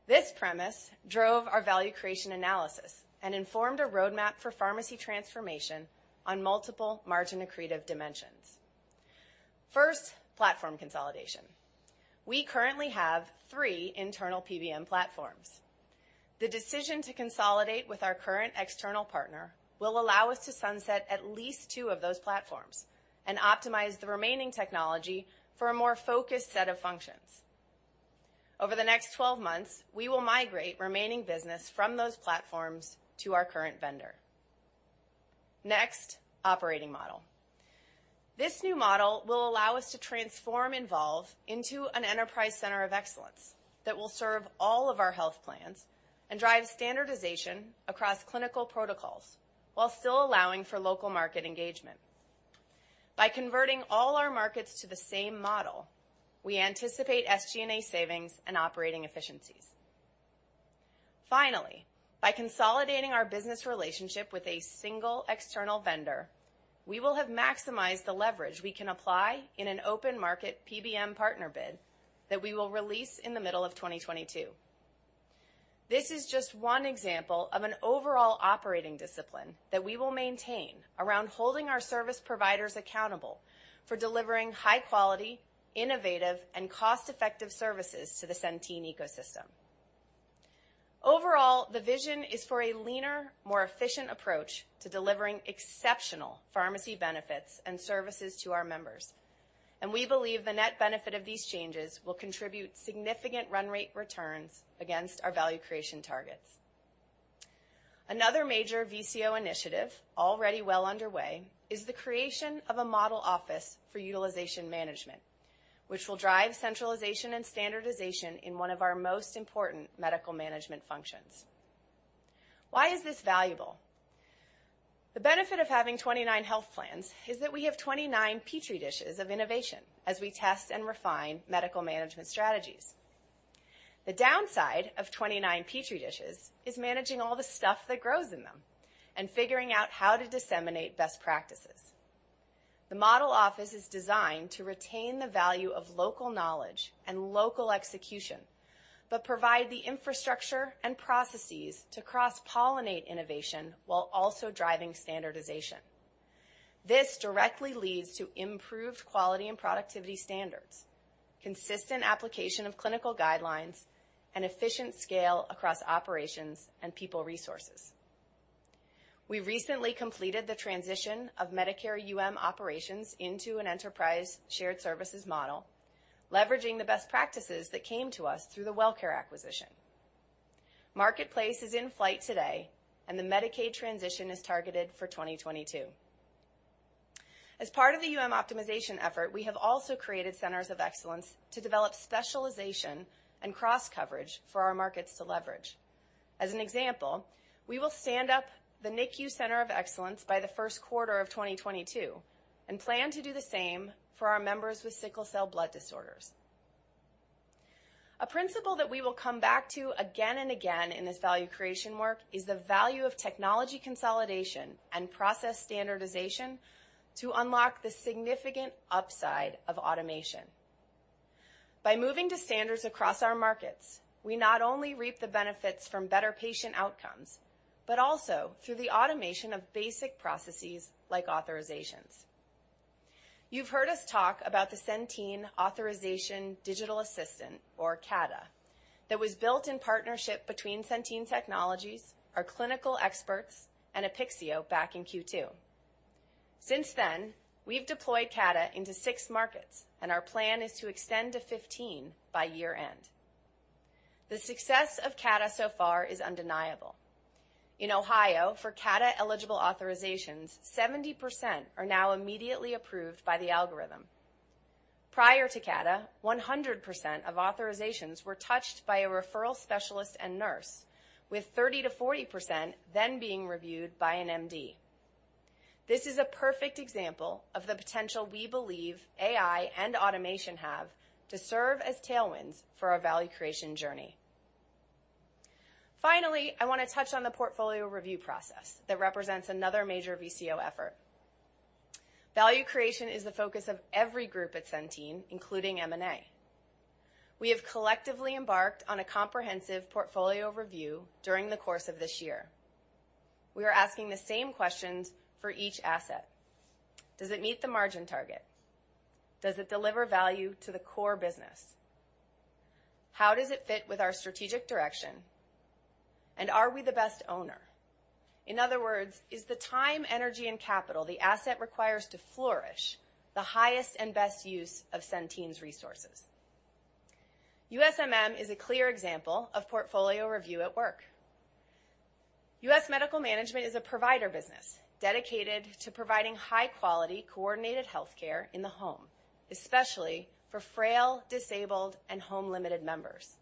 This premise drove our value creation analysis and informed a roadmap for pharmacy transformation on multiple margin-accretive dimensions. First, platform consolidation. We currently have three internal PBM platforms. The decision to consolidate with our current external partner will allow us to sunset at least two of those platforms and optimize the remaining technology for a more focused set of functions. Over the next 12 months, we will migrate remaining business from those platforms to our current vendor. Next, operating model. This new model will allow us to transform Envolve into an enterprise center of excellence that will serve all of our health plans and drive standardization across clinical protocols while still allowing for local market engagement. By converting all our markets to the same model, we anticipate SG&A savings and operating efficiencies. Finally, by consolidating our business relationship with a single external vendor, we will have maximized the leverage we can apply in an open market PBM partner bid that we will release in the middle of 2022. This is just one example of an overall operating discipline that we will maintain around holding our service providers accountable for delivering high quality, innovative, and cost-effective services to the Centene ecosystem. Overall, the vision is for a leaner, more efficient approach to delivering exceptional pharmacy benefits and services to our members, and we believe the net benefit of these changes will contribute significant run rate returns against our value creation targets. Another major VCO initiative, already well underway, is the creation of a model office for utilization management, which will drive centralization and standardization in one of our most important medical management functions. Why is this valuable? The benefit of having 29 health plans is that we have 29 Petri dishes of innovation as we test and refine medical management strategies. The downside of 29 Petri dishes is managing all the stuff that grows in them and figuring out how to disseminate best practices. The model office is designed to retain the value of local knowledge and local execution, but provide the infrastructure and processes to cross-pollinate innovation while also driving standardization. This directly leads to improved quality and productivity standards, consistent application of clinical guidelines, and efficient scale across operations and people resources. We recently completed the transition of Medicare UM operations into an enterprise shared services model, leveraging the best practices that came to us through the Wellcare acquisition. Marketplace is in flight today, and the Medicaid transition is targeted for 2022. As part of the UM optimization effort, we have also created centers of excellence to develop specialization and cross-coverage for our markets to leverage. As an example, we will stand up the NICU Center of Excellence by the first quarter of 2022 and plan to do the same for our members with sickle cell blood disorders. A principle that we will come back to again and again in this value creation work is the value of technology consolidation and process standardization to unlock the significant upside of automation. By moving to standards across our markets, we not only reap the benefits from better patient outcomes, but also through the automation of basic processes like authorizations. You've heard us talk about the Centene Authorization Digital Assistant, or CADA, that was built in partnership between Centene Technologies, our clinical experts, and Apixio back in Q2. Since then, we've deployed CADA into 6 markets, and our plan is to extend to 15 by year-end. The success of CADA so far is undeniable. In Ohio, for CADA-eligible authorizations, 70% are now immediately approved by the algorithm. Prior to CADA, 100% of authorizations were touched by a referral specialist and nurse, with 30%-40% then being reviewed by an MD. This is a perfect example of the potential we believe AI and automation have to serve as tailwinds for our value creation journey. Finally, I want to touch on the portfolio review process that represents another major VCO effort. Value creation is the focus of every group at Centene, including M&A. We have collectively embarked on a comprehensive portfolio review during the course of this year. We are asking the same questions for each asset. Does it meet the margin target? Does it deliver value to the core business? How does it fit with our strategic direction? And are we the best owner? In other words, is the time, energy, and capital the asset requires to flourish the highest and best use of Centene's resources? USMM is a clear example of portfolio review at work. U.S. Medical Management is a provider business dedicated to providing high-quality, coordinated healthcare in the home, especially for frail, disabled, and home-limited members.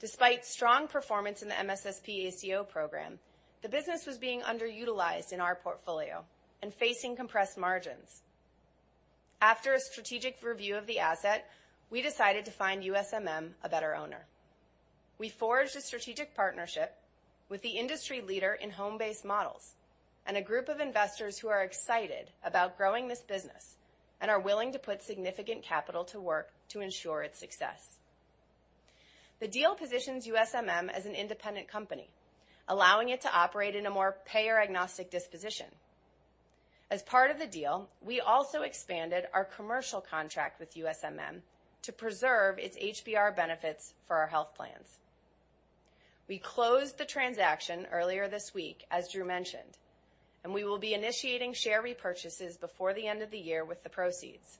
Despite strong performance in the MSSP ACO program, the business was being underutilized in our portfolio and facing compressed margins. After a strategic review of the asset, we decided to find USMM a better owner. We forged a strategic partnership with the industry leader in home-based models, and a group of investors who are excited about growing this business and are willing to put significant capital to work to ensure its success. The deal positions USMM as an independent company, allowing it to operate in a more payer-agnostic position. As part of the deal, we also expanded our commercial contract with USMM to preserve its HBR benefits for our health plans. We closed the transaction earlier this week, as Drew mentioned, and we will be initiating share repurchases before the end of the year with the proceeds.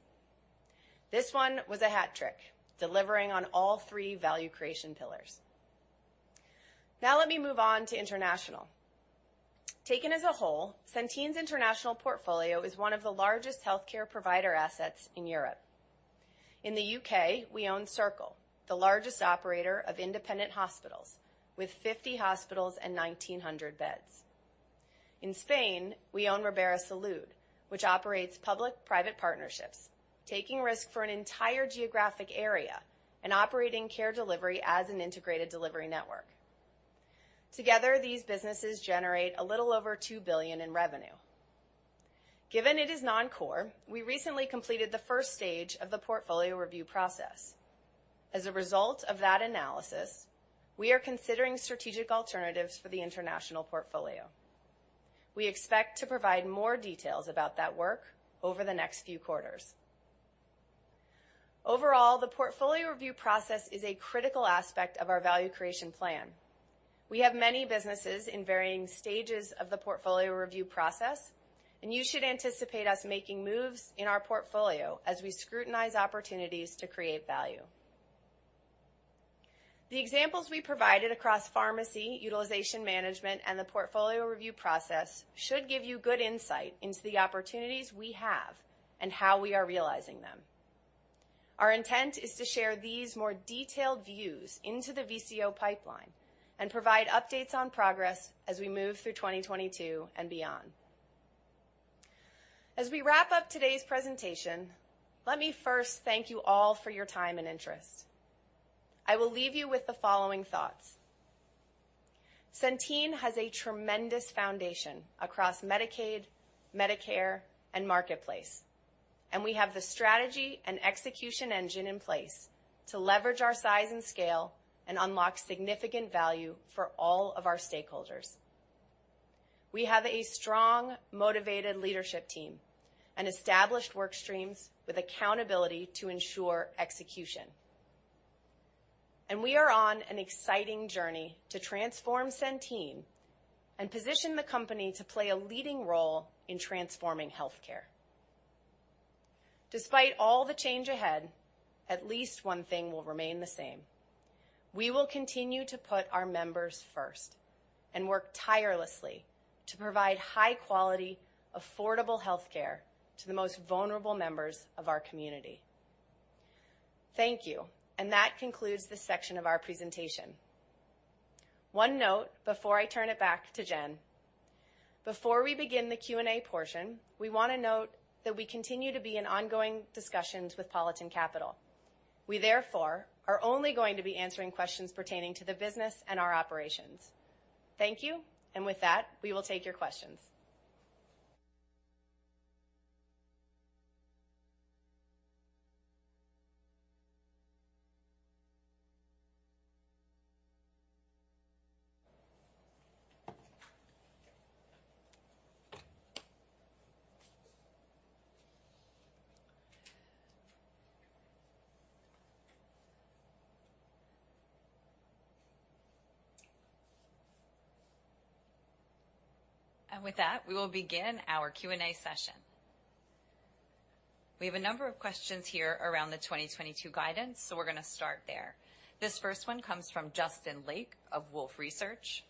This one was a hat trick, delivering on all three value creation pillars. Now let me move on to international. Taken as a whole, Centene's international portfolio is one of the largest healthcare provider assets in Europe. In the U.K., we own Circle, the largest operator of independent hospitals, with 50 hospitals and 1,900 beds. In Spain, we own Ribera Salud, which operates public-private partnerships, taking risk for an entire geographic area and operating care delivery as an integrated delivery network. Together, these businesses generate a little over $2 billion in revenue. Given it is non-core, we recently completed the first stage of the portfolio review process. As a result of that analysis, we are considering strategic alternatives for the international portfolio. We expect to provide more details about that work over the next few quarters. Overall, the portfolio review process is a critical aspect of our value creation plan. We have many businesses in varying stages of the portfolio review process, and you should anticipate us making moves in our portfolio as we scrutinize opportunities to create value. The examples we provided across pharmacy, utilization management, and the portfolio review process should give you good insight into the opportunities we have and how we are realizing them. Our intent is to share these more detailed views into the VCO pipeline and provide updates on progress as we move through 2022 and beyond. As we wrap up today's presentation, let me first thank you all for your time and interest. I will leave you with the following thoughts. Centene has a tremendous foundation across Medicaid, Medicare, and Marketplace, and we have the strategy and execution engine in place to leverage our size and scale and unlock significant value for all of our stakeholders. We have a strong, motivated leadership team and established work streams with accountability to ensure execution. We are on an exciting journey to transform Centene and position the company to play a leading role in transforming healthcare. Despite all the change ahead, at least one thing will remain the same. We will continue to put our members first and work tirelessly to provide high quality, affordable healthcare to the most vulnerable members of our community. Thank you. That concludes this section of our presentation. One note before I turn it back to Jen. Before we begin the Q&A portion, we wanna note that we continue to be in ongoing discussions with Politan Capital Management. We therefore are only going to be answering questions pertaining to the business and our operations. Thank you. With that, we will take your questions. With that, we will begin our Q&A session. We have a number of questions here around the 2022 guidance, so we're gonna start there. This first one comes from Justin Lake of Wolfe Research.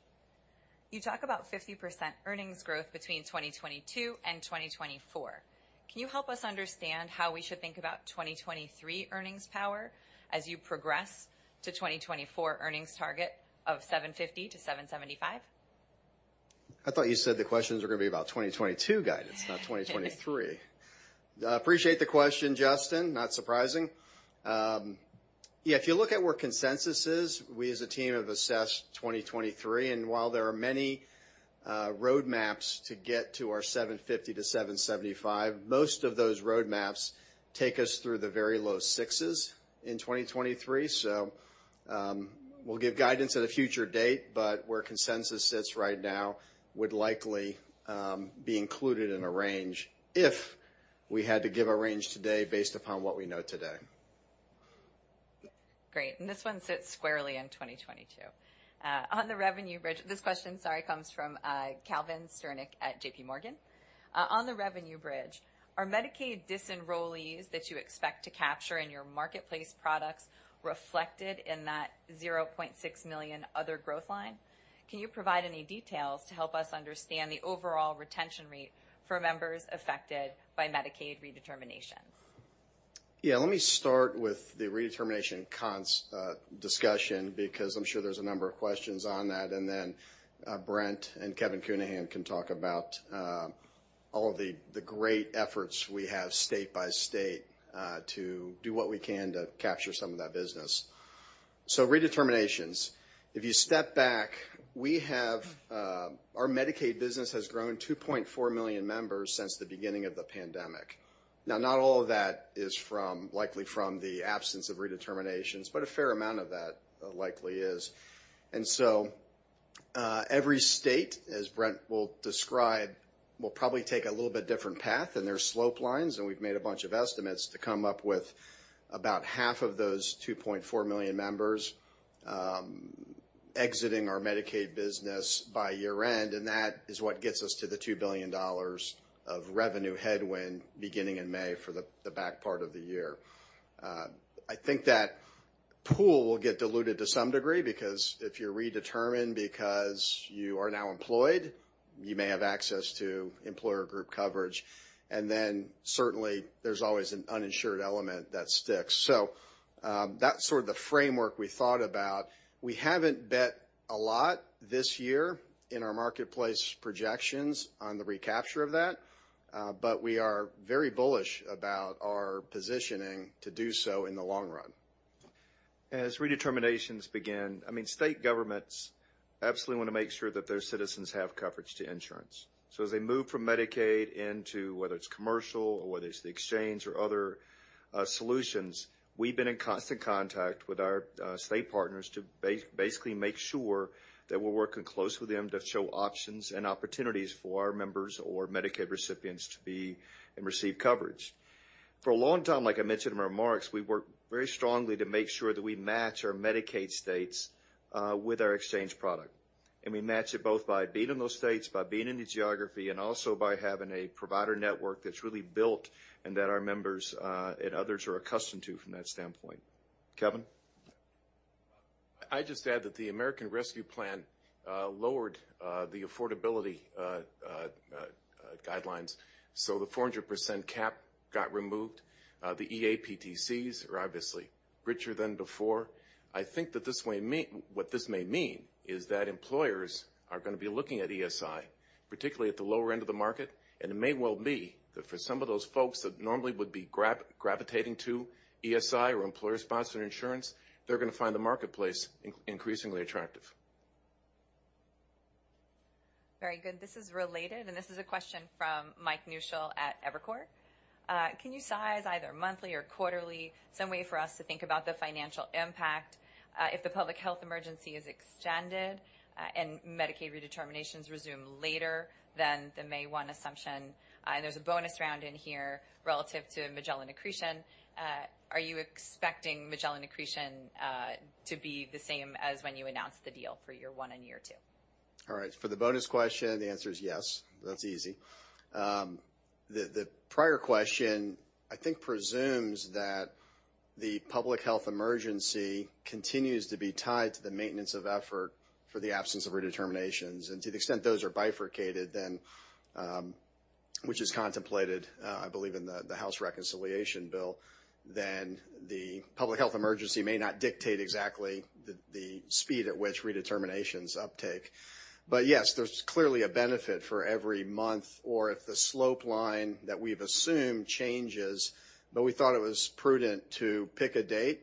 You talk about 50% earnings growth between 2022 and 2024. Can you help us understand how we should think about 2023 earnings power as you progress to 2024 earnings target of $7.50-$7.75? I thought you said the questions were gonna be about 2022 guidance, not 2023. I appreciate the question, Justin. Not surprising. Yeah, if you look at where consensus is, we as a team have assessed 2023, and while there are many roadmaps to get to our $7.50-$7.75, most of those roadmaps take us through the very low sixes in 2023. We'll give guidance at a future date, but where consensus sits right now would likely be included in a range if we had to give a range today based upon what we know today. Great. This one sits squarely in 2022. On the revenue bridge. This question comes from Calvin Sternick at J.P. Morgan. On the revenue bridge, are Medicaid disenrollees that you expect to capture in your Marketplace products reflected in that 0.6 million other growth line? Can you provide any details to help us understand the overall retention rate for members affected by Medicaid redeterminations? Let me start with the redetermination concerns discussion, because I'm sure there's a number of questions on that. Then Brent and Kevin Counihan can talk about all of the great efforts we have state by state to do what we can to capture some of that business. Redeterminations, if you step back, we have our Medicaid business has grown 2.4 million members since the beginning of the pandemic. Now, not all of that is likely from the absence of redeterminations, but a fair amount of that likely is. Every state, as Brent will describe, will probably take a little bit different path in their timelines, and we've made a bunch of estimates to come up with about half of those 2.4 million members exiting our Medicaid business by year-end. That is what gets us to the $2 billion of revenue headwind beginning in May for the back part of the year. I think that pool will get diluted to some degree because if you're redetermined because you are now employed, you may have access to employer group coverage. Then certainly there's always an uninsured element that sticks. That's sort of the framework we thought about. We haven't bet a lot this year in our marketplace projections on the recapture of that, but we are very bullish about our positioning to do so in the long run. As redeterminations begin, I mean, state governments absolutely want to make sure that their citizens have coverage to insurance. So as they move from Medicaid into whether it's commercial or whether it's the exchange or other solutions, we've been in constant contact with our state partners to basically make sure that we're working close with them to show options and opportunities for our members or Medicaid recipients to be and receive coverage. For a long time, like I mentioned in my remarks, we work very strongly to make sure that we match our Medicaid states with our exchange product. We match it both by being in those states, by being in the geography, and also by having a provider network that's really built and that our members and others are accustomed to from that standpoint. Kevin? I'd just add that the American Rescue Plan lowered the affordability guidelines. The 400% cap got removed. The EAPTCs are obviously richer than before. I think that what this may mean is that employers are going to be looking at ESI, particularly at the lower end of the market. It may well be that for some of those folks that normally would be gravitating to ESI or employer-sponsored insurance, they're going to find the marketplace increasingly attractive. Very good. This is related, and this is a question from Mike Newshel at Evercore. Can you size either monthly or quarterly some way for us to think about the financial impact, if the public health emergency is extended, and Medicaid redeterminations resume later than the May 1 assumption? And there's a bonus round in here relative to Magellan accretion. Are you expecting Magellan accretion to be the same as when you announced the deal for year one and year two? All right. For the bonus question, the answer is yes. That's easy. The prior question, I think, presumes that the public health emergency continues to be tied to the maintenance of effort for the absence of redeterminations. To the extent those are bifurcated, then, which is contemplated, I believe in the House reconciliation bill, the public health emergency may not dictate exactly the speed at which redeterminations uptake. Yes, there's clearly a benefit for every month or if the slope line that we've assumed changes, but we thought it was prudent to pick a date,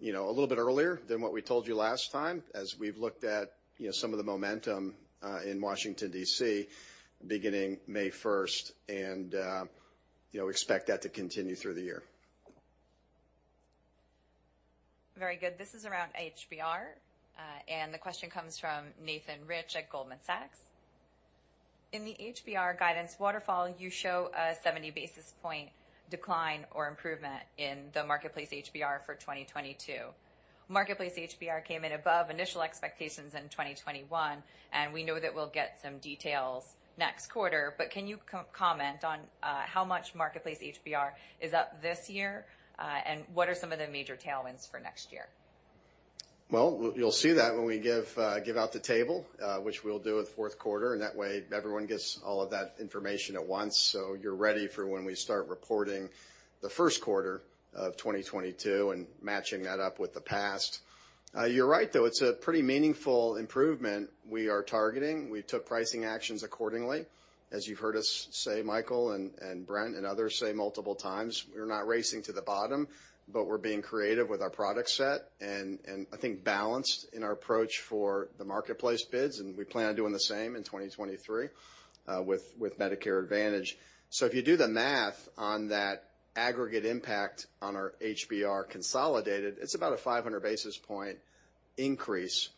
you know, a little bit earlier than what we told you last time, as we've looked at, you know, some of the momentum in Washington, D.C., beginning May 1st, and, you know, expect that to continue through the year. Very good. This is around HBR, and the question comes from Nathan Rich at Goldman Sachs. In the HBR guidance waterfall, you show a 70 basis point decline or improvement in the marketplace HBR for 2022. Marketplace HBR came in above initial expectations in 2021, and we know that we'll get some details next quarter. Can you comment on how much marketplace HBR is up this year, and what are some of the major tailwinds for next year? Well, you'll see that when we give out the table, which we'll do with fourth quarter, and that way everyone gets all of that information at once. You're ready for when we start reporting the first quarter of 2022 and matching that up with the past. You're right, though, it's a pretty meaningful improvement we are targeting. We took pricing actions accordingly. As you've heard us say, Michael and Brent and others say multiple times, we're not racing to the bottom, but we're being creative with our product set and I think balanced in our approach for the marketplace bids, and we plan on doing the same in 2023 with Medicare Advantage. If you do the math on that aggregate impact on our HBR consolidated, it's about a 500 basis point increase,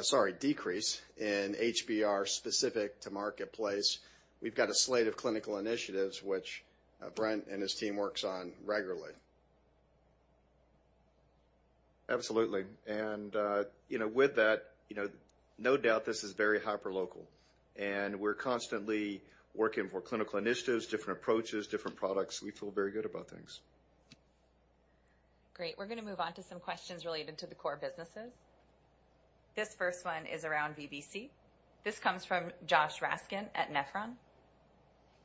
sorry, decrease in HBR specific to Marketplace. We've got a slate of clinical initiatives which Brent and his team works on regularly. Absolutely. You know, with that, you know, no doubt this is very hyper-local, and we're constantly working for clinical initiatives, different approaches, different products. We feel very good about things. Great. We're gonna move on to some questions related to the core businesses. This first one is around VBC. This comes from Josh Raskin at Nephron.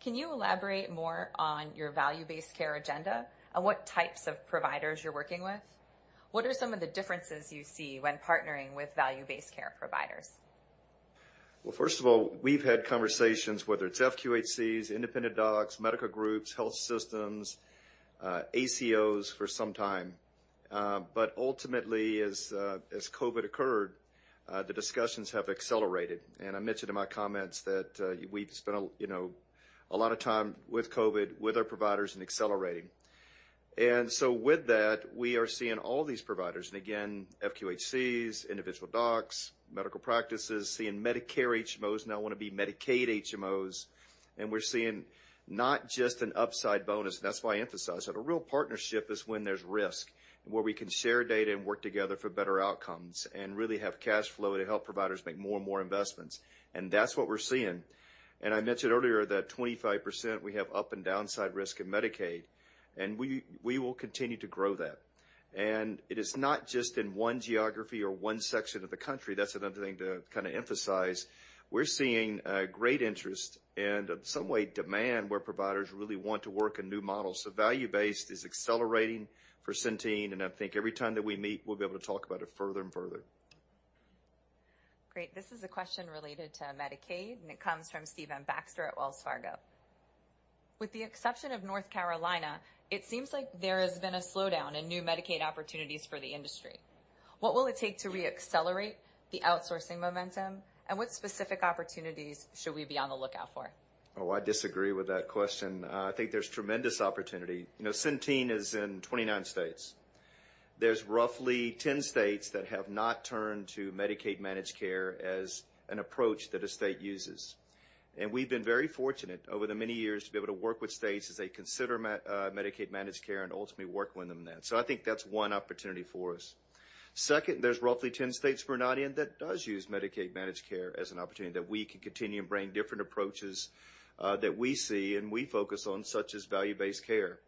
Can you elaborate more on your value-based care agenda and what types of providers you're working with? What are some of the differences you see when partnering with value-based care providers? Well, first of all, we've had conversations, whether it's FQHCs, independent docs, medical groups, health systems, ACOs for some time. Ultimately, as COVID occurred, the discussions have accelerated. I mentioned in my comments that we've spent a, you know, a lot of time with COVID with our providers and accelerating. With that, we are seeing all these providers, and again, FQHCs, individual docs, medical practices seeking Medicare HMOs now wanna be Medicaid HMOs. We're seeing not just an upside bonus, and that's why I emphasize that a real partnership is when there's risk, and where we can share data and work together for better outcomes, and really have cash flow to help providers make more and more investments. That's what we're seeing. I mentioned earlier that 25% we have up and downside risk in Medicaid, and we will continue to grow that. It is not just in one geography or one section of the country. That's another thing to kinda emphasize. We're seeing great interest and in some way, demand, where providers really want to work in new models. Value-based is accelerating for Centene, and I think every time that we meet, we'll be able to talk about it further and further. Great. This is a question related to Medicaid, and it comes from Stephen Baxter at Wells Fargo. With the exception of North Carolina, it seems like there has been a slowdown in new Medicaid opportunities for the industry. What will it take to reaccelerate the outsourcing momentum, and what specific opportunities should we be on the lookout for? Oh, I disagree with that question. I think there's tremendous opportunity. You know, Centene is in 29 states. There's roughly 10 states that have not turned to Medicaid managed care as an approach that a state uses. We've been very fortunate over the many years to be able to work with states as they consider Medicaid managed care and ultimately work with them then. I think that's one opportunity for us. Second, there's roughly 10 states we're not in that does use Medicaid managed care as an opportunity that we can continue and bring different approaches that we see and we focus on, such as value-based care.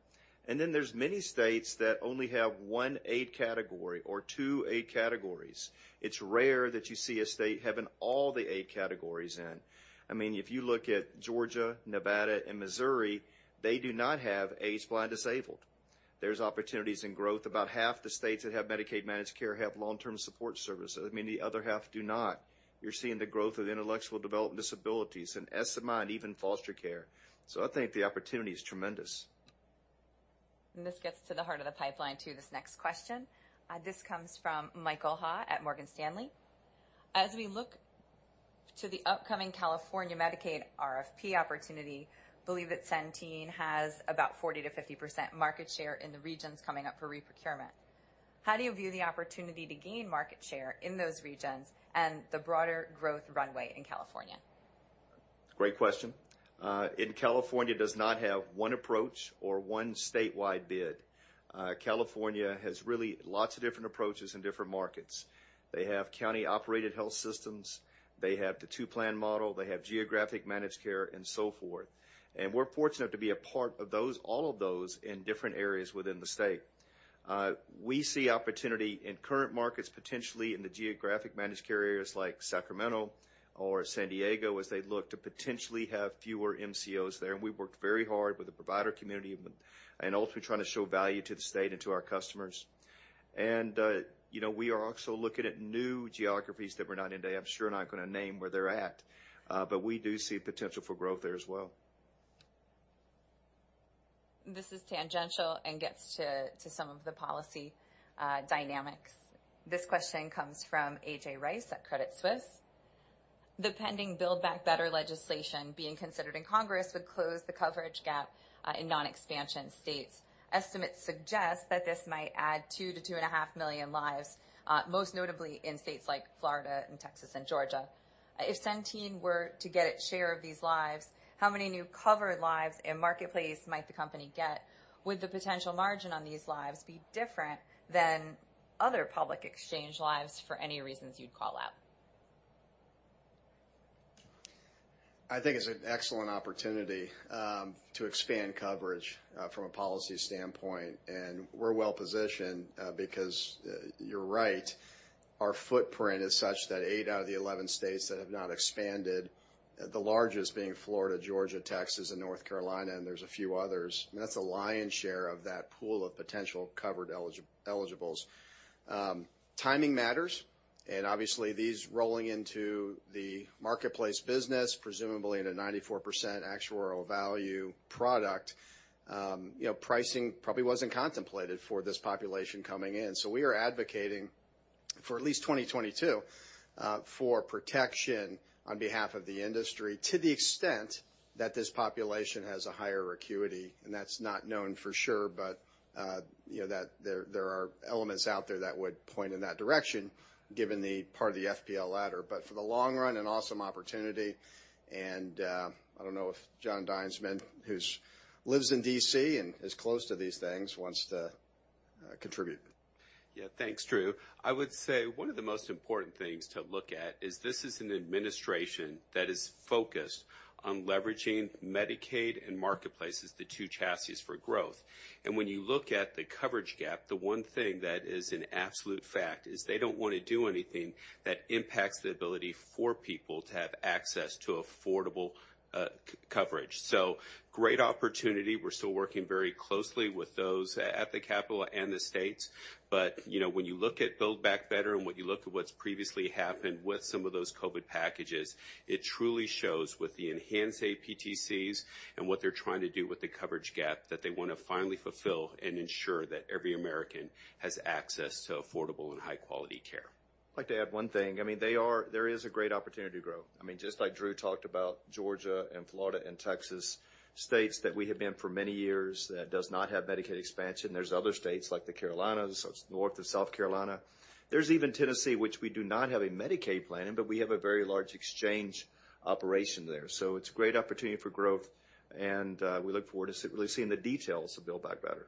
There's many states that only have one aid category or two aid categories. It's rare that you see a state having all the aid categories in. I mean, if you look at Georgia, Nevada, and Missouri, they do not have aged, blind, and disabled. There's opportunities and growth. About half the states that have Medicaid managed care have long-term support services. I mean, the other half do not. You're seeing the growth of intellectual and developmental disabilities and SMI and even foster care. I think the opportunity is tremendous. This gets to the heart of the pipeline, too, this next question. This comes from Michael Ha at Morgan Stanley. As we look to the upcoming California Medicaid RFP opportunity, we believe that Centene has about 40%-50% market share in the regions coming up for reprocurement. How do you view the opportunity to gain market share in those regions and the broader growth runway in California? Great question. California does not have one approach or one statewide bid. California has really lots of different approaches in different markets. They have county-operated health systems, they have the two-plan model, they have geographic managed care, and so forth. We're fortunate to be a part of those, all of those in different areas within the state. We see opportunity in current markets, potentially in the geographic managed care areas like Sacramento or San Diego, as they look to potentially have fewer MCOs there. We've worked very hard with the provider community and ultimately trying to show value to the state and to our customers. You know, we are also looking at new geographies that we're not in today. I'm sure not gonna name where they're at, but we do see potential for growth there as well. This is tangential and gets to some of the policy dynamics. This question comes from A.J. Rice at Credit Suisse. The pending Build Back Better legislation being considered in Congress would close the coverage gap in non-expansion states. Estimates suggest that this might add 2 million-2.5 million lives, most notably in states like Florida and Texas and Georgia. If Centene were to get its share of these lives, how many new covered lives in the Marketplace might the company get? Would the potential margin on these lives be different than other public exchange lives for any reasons you'd call out? I think it's an excellent opportunity to expand coverage from a policy standpoint. We're well-positioned because you're right, our footprint is such that eight out of the 11 states that have not expanded, the largest being Florida, Georgia, Texas, and North Carolina, and there's a few others. That's the lion's share of that pool of potential covered eligibles. Timing matters, and obviously these rolling into the Marketplace business, presumably in a 94% actuarial value product, you know, pricing probably wasn't contemplated for this population coming in. We are advocating for at least 2022 for protection on behalf of the industry to the extent that this population has a higher acuity, and that's not known for sure, but you know that there are elements out there that would point in that direction given the part of the FPL ladder. But for the long run, an awesome opportunity, and I don't know if Jon Dinesman, who lives in D.C. and is close to these things, wants to contribute. Yeah. Thanks, Drew. I would say one of the most important things to look at is this is an administration that is focused on leveraging Medicaid and Marketplaces, the two chassis for growth. When you look at the coverage gap, the one thing that is an absolute fact is they don't want to do anything that impacts the ability for people to have access to affordable coverage. Great opportunity. We're still working very closely with those at the capital and the states. You know, when you look at Build Back Better and when you look at what's previously happened with some of those COVID packages, it truly shows with the enhanced APTCs and what they're trying to do with the coverage gap, that they wanna finally fulfill and ensure that every American has access to affordable and high quality care. I'd like to add one thing. I mean, there is a great opportunity to grow. I mean, just like Drew talked about Georgia and Florida and Texas, states that we have been for many years that does not have Medicaid expansion. There's other states like the Carolinas, so it's North and South Carolina. There's even Tennessee, which we do not have a Medicaid plan in, but we have a very large exchange operation there. It's a great opportunity for growth, and we look forward to really seeing the details of Build Back Better.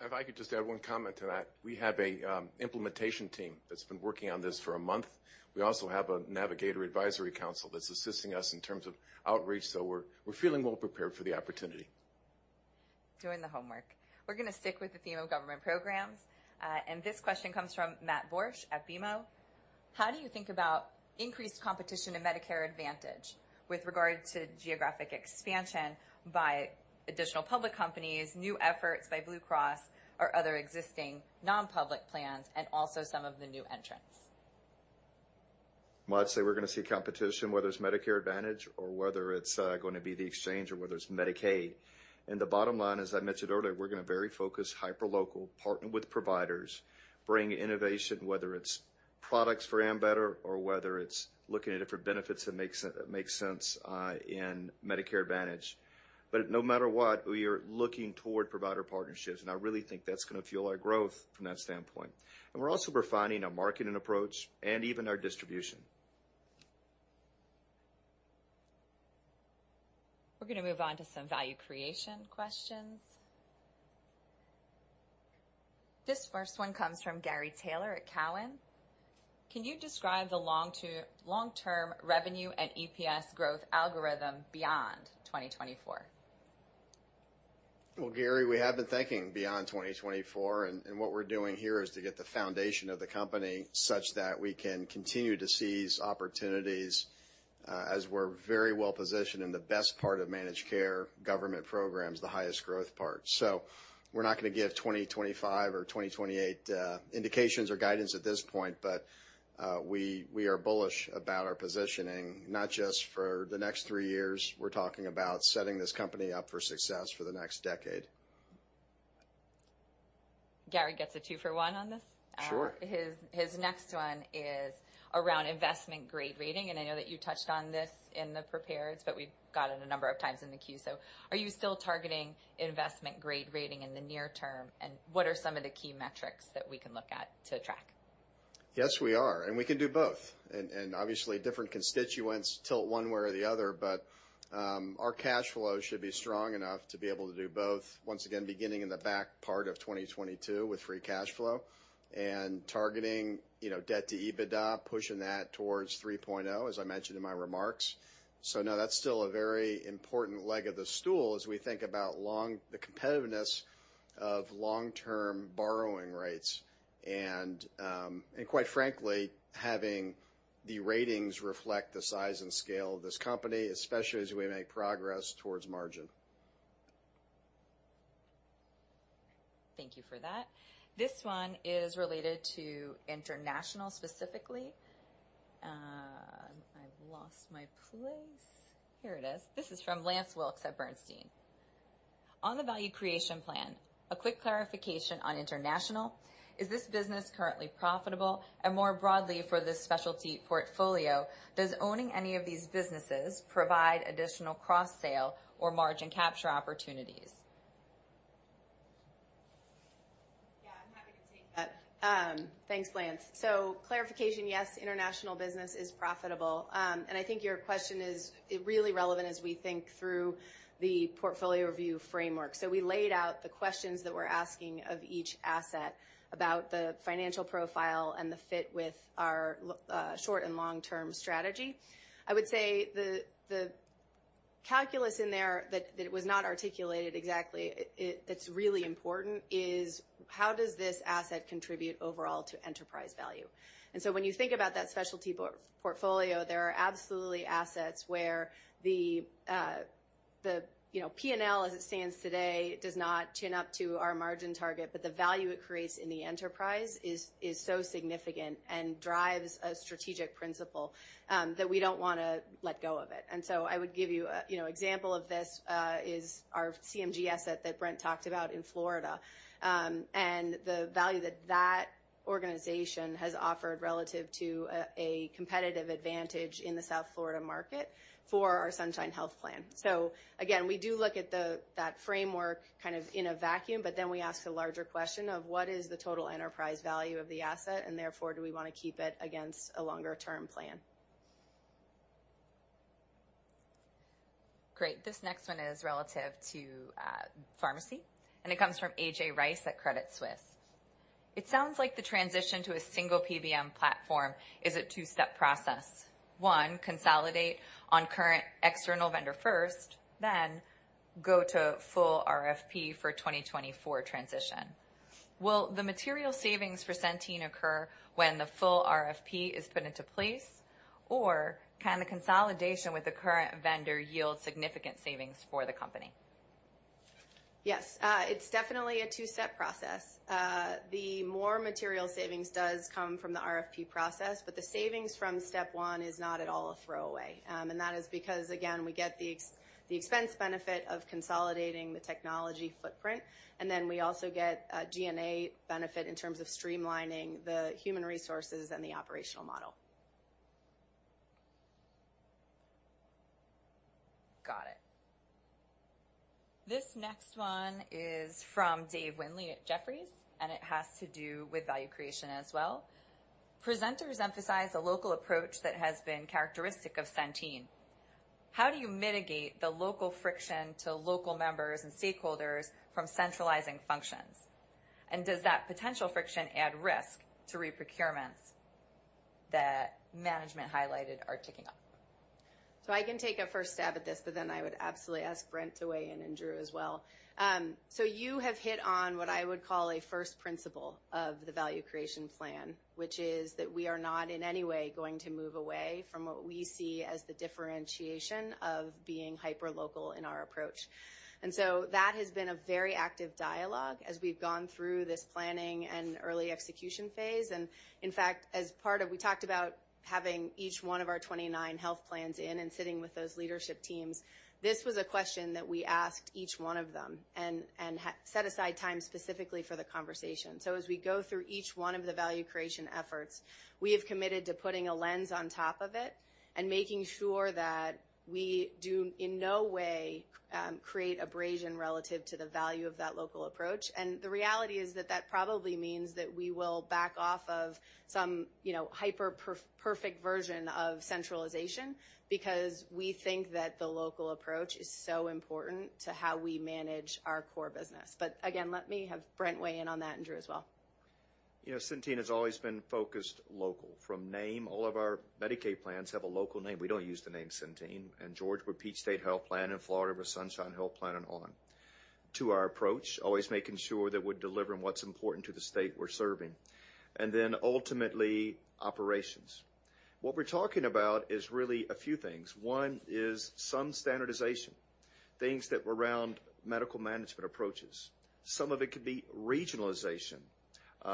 If I could just add one comment to that. We have a implementation team that's been working on this for a month. We also have a navigator advisory council that's assisting us in terms of outreach, so we're feeling well prepared for the opportunity. Doing the homework. We're gonna stick with the theme of government programs. This question comes from Matt Borsch at BMO. How do you think about increased competition in Medicare Advantage with regard to geographic expansion by additional public companies, new efforts by Blue Cross or other existing non-public plans, and also some of the new entrants? Well, I'd say we're gonna see competition, whether it's Medicare Advantage or whether it's going to be the exchange or whether it's Medicaid. The bottom line, as I mentioned earlier, we're gonna be very focused hyperlocal, partner with providers, bring innovation, whether it's products for Ambetter or whether it's looking at different benefits that makes sense in Medicare Advantage. No matter what, we are looking toward provider partnerships, and I really think that's gonna fuel our growth from that standpoint. We're also refining our marketing approach and even our distribution. We're gonna move on to some value creation questions. This first one comes from Gary Taylor at Cowen. Can you describe the long-term revenue and EPS growth algorithm beyond 2024? Well, Gary, we have been thinking beyond 2024, and what we're doing here is to get the foundation of the company such that we can continue to seize opportunities, as we're very well positioned in the best part of managed care government programs, the highest growth part. We're not gonna give 2025 or 2028 indications or guidance at this point, but we are bullish about our positioning, not just for the next three years. We're talking about setting this company up for success for the next decade. Gary gets a two for one on this. Sure. His next one is around investment grade rating, and I know that you touched on this in the prepared, but we've got it a number of times in the queue. Are you still targeting investment grade rating in the near term? And what are some of the key metrics that we can look at to track? Yes, we are. We can do both. Obviously different constituents tilt one way or the other, but our cash flow should be strong enough to be able to do both, once again, beginning in the back part of 2022 with free cash flow and targeting, you know, debt to EBITDA, pushing that towards 3.0, as I mentioned in my remarks. No, that's still a very important leg of the stool as we think about the competitiveness of long-term borrowing rates. Quite frankly, having the ratings reflect the size and scale of this company, especially as we make progress towards margin. Thank you for that. This one is related to international specifically. I've lost my place. Here it is. This is from Lance Wilkes at Bernstein. On the Value Creation Plan, a quick clarification on international, is this business currently profitable? And more broadly, for this specialty portfolio, does owning any of these businesses provide additional cross-sale or margin capture opportunities? Yeah, I'm happy to take that. Thanks, Lance. Clarification, yes, international business is profitable. I think your question is really relevant as we think through the portfolio review framework. We laid out the questions that we're asking of each asset about the financial profile and the fit with our short and long-term strategy. I would say the calculus in there that was not articulated exactly, that's really important is how does this asset contribute overall to enterprise value. When you think about that specialty portfolio, there are absolutely assets where the you know, P&L, as it stands today, does not tune up to our margin target, but the value it creates in the enterprise is so significant and drives a strategic principle that we don't wanna let go of it. I would give you a, you know, example of this is our CMG asset that Brent talked about in Florida, and the value that that organization has offered relative to a competitive advantage in the South Florida market for our Sunshine Health plan. Again, we do look at that framework kind of in a vacuum, but then we ask a larger question of what is the total enterprise value of the asset, and therefore, do we wanna keep it against a longer-term plan? Great. This next one is relative to pharmacy, and it comes from A.J. Rice at Credit Suisse. It sounds like the transition to a single PBM platform is a two-step process. One, consolidate on current external vendor first, then go to full RFP for 2024 transition. Will the material savings for Centene occur when the full RFP is put into place? Or can the consolidation with the current vendor yield significant savings for the company? Yes, it's definitely a two-step process. The more material savings does come from the RFP process, but the savings from step one is not at all a throwaway. That is because again, we get the expense benefit of consolidating the technology footprint, and then we also get a G&A benefit in terms of streamlining the human resources and the operational model. Got it. This next one is from Dave Windley at Jefferies, and it has to do with value creation as well. Presenters emphasize the local approach that has been characteristic of Centene. How do you mitigate the local friction to local members and stakeholders from centralizing functions? And does that potential friction add risk to re-procurements that management highlighted are ticking off? I can take a first stab at this, but then I would absolutely ask Brent to weigh in, and Drew as well. You have hit on what I would call a first principle of the Value Creation Plan, which is that we are not in any way going to move away from what we see as the differentiation of being hyperlocal in our approach. That has been a very active dialogue as we've gone through this planning and early execution phase. In fact, we talked about having each one of our 29 health plans in and sitting with those leadership teams. This was a question that we asked each one of them and set aside time specifically for the conversation. As we go through each one of the value creation efforts, we have committed to putting a lens on top of it and making sure that we do in no way create abrasion relative to the value of that local approach. The reality is that that probably means that we will back off of some, you know, hyper perfect version of centralization, because we think that the local approach is so important to how we manage our core business. Again, let me have Brent weigh in on that, and Drew as well. You know, Centene has always been focused locally from name. All of our Medicaid plans have a local name. We don't use the name Centene. In Georgia, we're Peach State Health Plan. In Florida, we're Sunshine Health Plan, and so on. To our approach, always making sure that we're delivering what's important to the state we're serving. Then ultimately, operations. What we're talking about is really a few things. One is some standardization, things that were around medical management approaches. Some of it could be regionalization,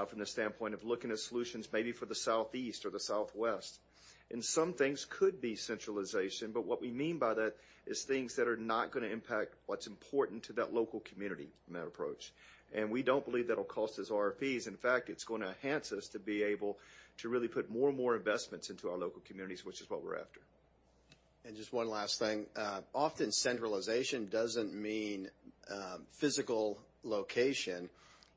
from the standpoint of looking at solutions maybe for the Southeast or the Southwest. Some things could be centralization, but what we mean by that is things that are not gonna impact what's important to that local community from that approach. We don't believe that'll cost us RFPs. In fact, it's gonna enhance us to be able to really put more and more investments into our local communities, which is what we're after. Just one last thing. Often centralization doesn't mean physical location.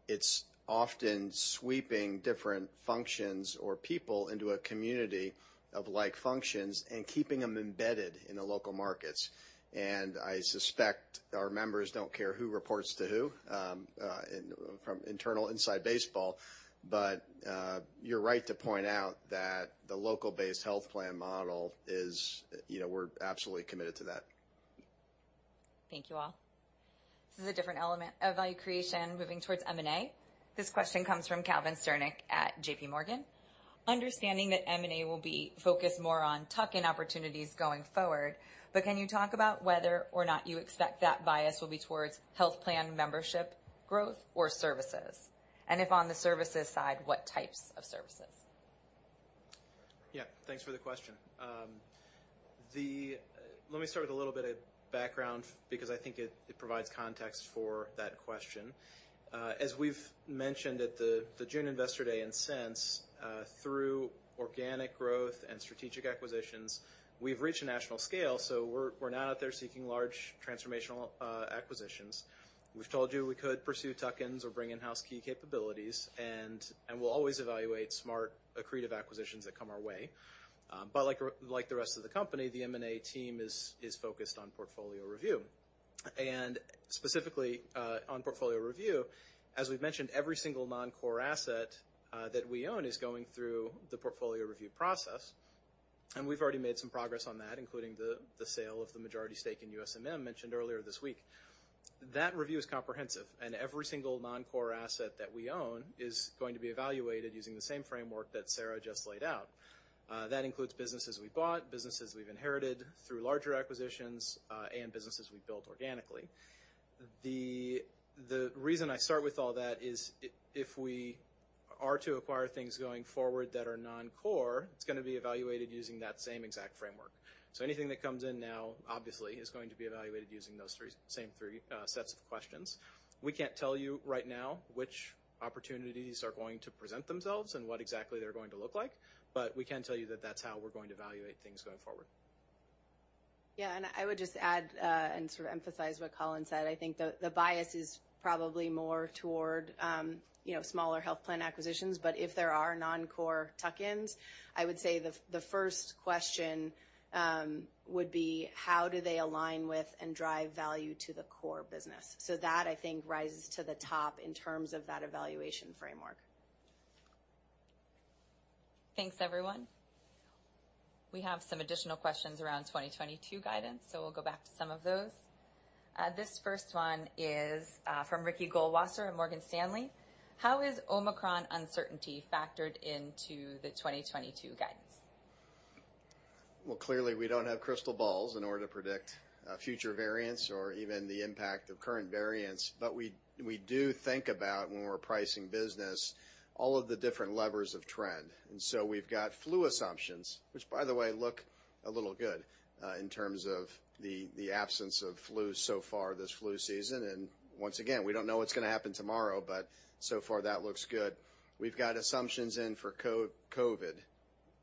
It's often sweeping different functions or people into a community of like functions and keeping them embedded in the local markets. I suspect our members don't care who reports to who in internal inside baseball. You're right to point out that the local-based health plan model is, you know, we're absolutely committed to that. Thank you all. This is a different element of value creation, moving towards M&A. This question comes from Calvin Sternick at J.P. Morgan. Understanding that M&A will be focused more on tuck-in opportunities going forward, but can you talk about whether or not you expect that bias will be towards health plan membership growth or services? If on the services side, what types of services? Yeah. Thanks for the question. Let me start with a little bit of background because I think it provides context for that question. As we've mentioned at the June Investor Day and since, through organic growth and strategic acquisitions, we've reached a national scale, so we're not out there seeking large transformational acquisitions. We've told you we could pursue tuck-ins or bring in-house key capabilities, and we'll always evaluate smart accretive acquisitions that come our way. But like the rest of the company, the M&A team is focused on portfolio review. Specifically, on portfolio review, as we've mentioned, every single non-core asset that we own is going through the portfolio review process, and we've already made some progress on that, including the sale of the majority stake in USMM mentioned earlier this week. That review is comprehensive, and every single non-core asset that we own is going to be evaluated using the same framework that Sarah just laid out. That includes businesses we bought, businesses we've inherited through larger acquisitions, and businesses we built organically. The reason I start with all that is if we are to acquire things going forward that are non-core, it's gonna be evaluated using that same exact framework. Anything that comes in now obviously is going to be evaluated using those three, same three, sets of questions. We can't tell you right now which opportunities are going to present themselves and what exactly they're going to look like, but we can tell you that that's how we're going to evaluate things going forward. Yeah, I would just add and sort of emphasize what Colin said. I think the bias is probably more toward you know, smaller health plan acquisitions. But if there are non-core tuck-ins, I would say the first question would be how do they align with and drive value to the core business. That, I think, rises to the top in terms of that evaluation framework. Thanks, everyone. We have some additional questions around 2022 guidance, so we'll go back to some of those. This first one is from Ricky Goldwasser of Morgan Stanley. How is Omicron uncertainty factored into the 2022 guidance? Well, clearly, we don't have crystal balls in order to predict future variants or even the impact of current variants. We do think about when we're pricing business, all of the different levers of trend. We've got flu assumptions, which by the way look a little good, in terms of the absence of flu so far this flu season. Once again, we don't know what's gonna happen tomorrow, but so far that looks good. We've got assumptions in for COVID,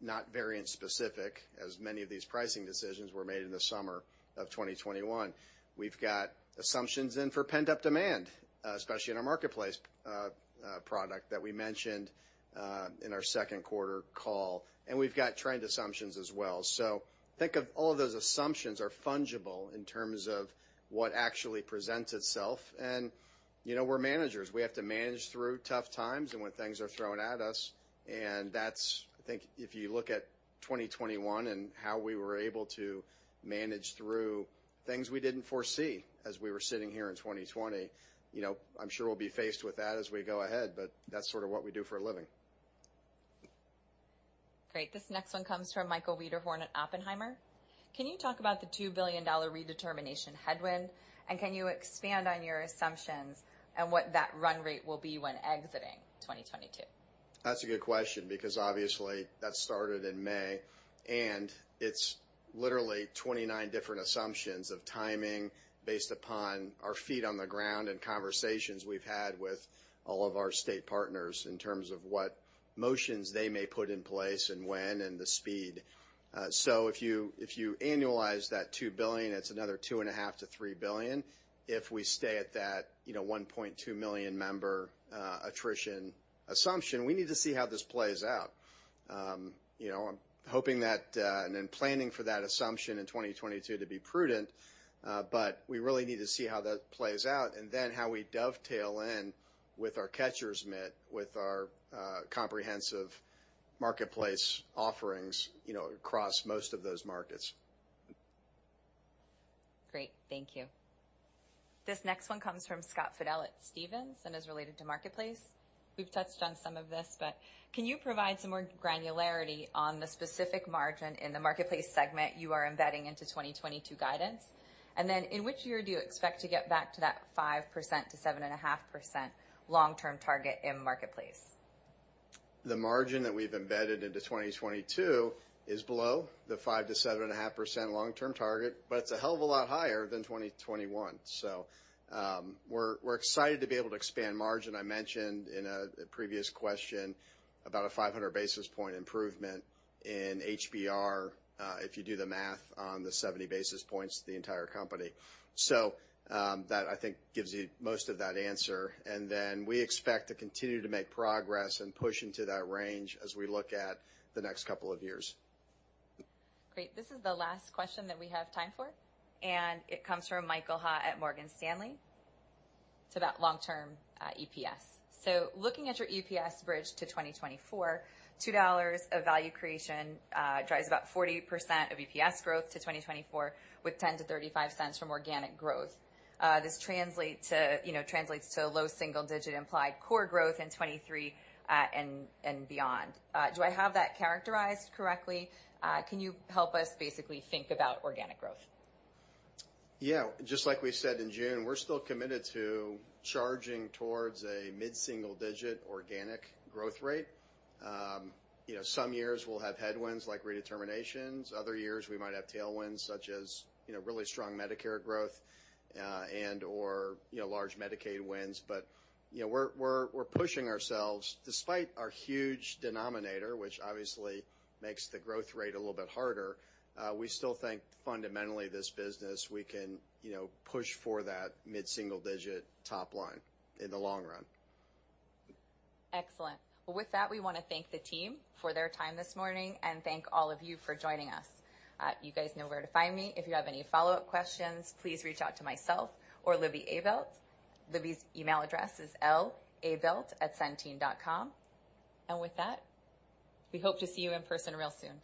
not variant specific, as many of these pricing decisions were made in the summer of 2021. We've got assumptions in for pent-up demand, especially in our Marketplace product that we mentioned in our second quarter call, and we've got trend assumptions as well. Think of all of those assumptions are fungible in terms of what actually presents itself. You know, we're managers, we have to manage through tough times and when things are thrown at us, and that's. I think if you look at 2021 and how we were able to manage through things we didn't foresee as we were sitting here in 2020. You know, I'm sure we'll be faced with that as we go ahead, but that's sort of what we do for a living. Great. This next one comes from Michael Wiederhorn at Oppenheimer. Can you talk about the $2 billion redetermination headwind, and can you expand on your assumptions and what that run rate will be when exiting 2022? That's a good question because obviously, that started in May, and it's literally 29 different assumptions of timing based upon our feet on the ground and conversations we've had with all of our state partners in terms of what motions they may put in place and when and the speed. So if you annualize that $2 billion, it's another $2.5 billion-$3 billion. If we stay at that, you know, 1.2 million member attrition assumption. We need to see how this plays out. You know, I'm hoping that, and in planning for that assumption in 2022 to be prudent, but we really need to see how that plays out, and then how we dovetail in with our catcher's mitt, with our comprehensive Marketplace offerings, you know, across most of those markets. Great. Thank you. This next one comes from Scott Fidel at Stephens and is related to Marketplace. We've touched on some of this, but can you provide some more granularity on the specific margin in the Marketplace segment you are embedding into 2022 guidance? And then in which year do you expect to get back to that 5%-7.5% long-term target in Marketplace? The margin that we've embedded into 2022 is below the 5%-7.5% long-term target, but it's a hell of a lot higher than 2021. We're excited to be able to expand margin. I mentioned in a previous question about a 500 basis point improvement in HBR, if you do the math on the 70 basis points to the entire company. That, I think, gives you most of that answer. We expect to continue to make progress and push into that range as we look at the next couple of years. Great. This is the last question that we have time for, and it comes from Michael Ha at Morgan Stanley to that long-term EPS. Looking at your EPS bridge to 2024, $2 of value creation drives about 40% of EPS growth to 2024, with $0.10-$0.35 from organic growth. This translates to low single digit implied core growth in 2023 and beyond. Do I have that characterized correctly? Can you help us basically think about organic growth? Yeah. Just like we said in June, we're still committed to charging towards a mid-single digit organic growth rate. You know, some years we'll have headwinds like redeterminations. Other years we might have tailwinds such as, you know, really strong Medicare growth, and/or, you know, large Medicaid wins. You know, we're pushing ourselves despite our huge denominator, which obviously makes the growth rate a little bit harder. We still think fundamentally this business, we can, you know, push for that mid-single digit top line in the long run. Excellent. Well, with that, we wanna thank the team for their time this morning, and thank all of you for joining us. You guys know where to find me. If you have any follow-up questions, please reach out to myself or Libby Abelt. Libby's email address is labelt@centene.com. With that, we hope to see you in person real soon.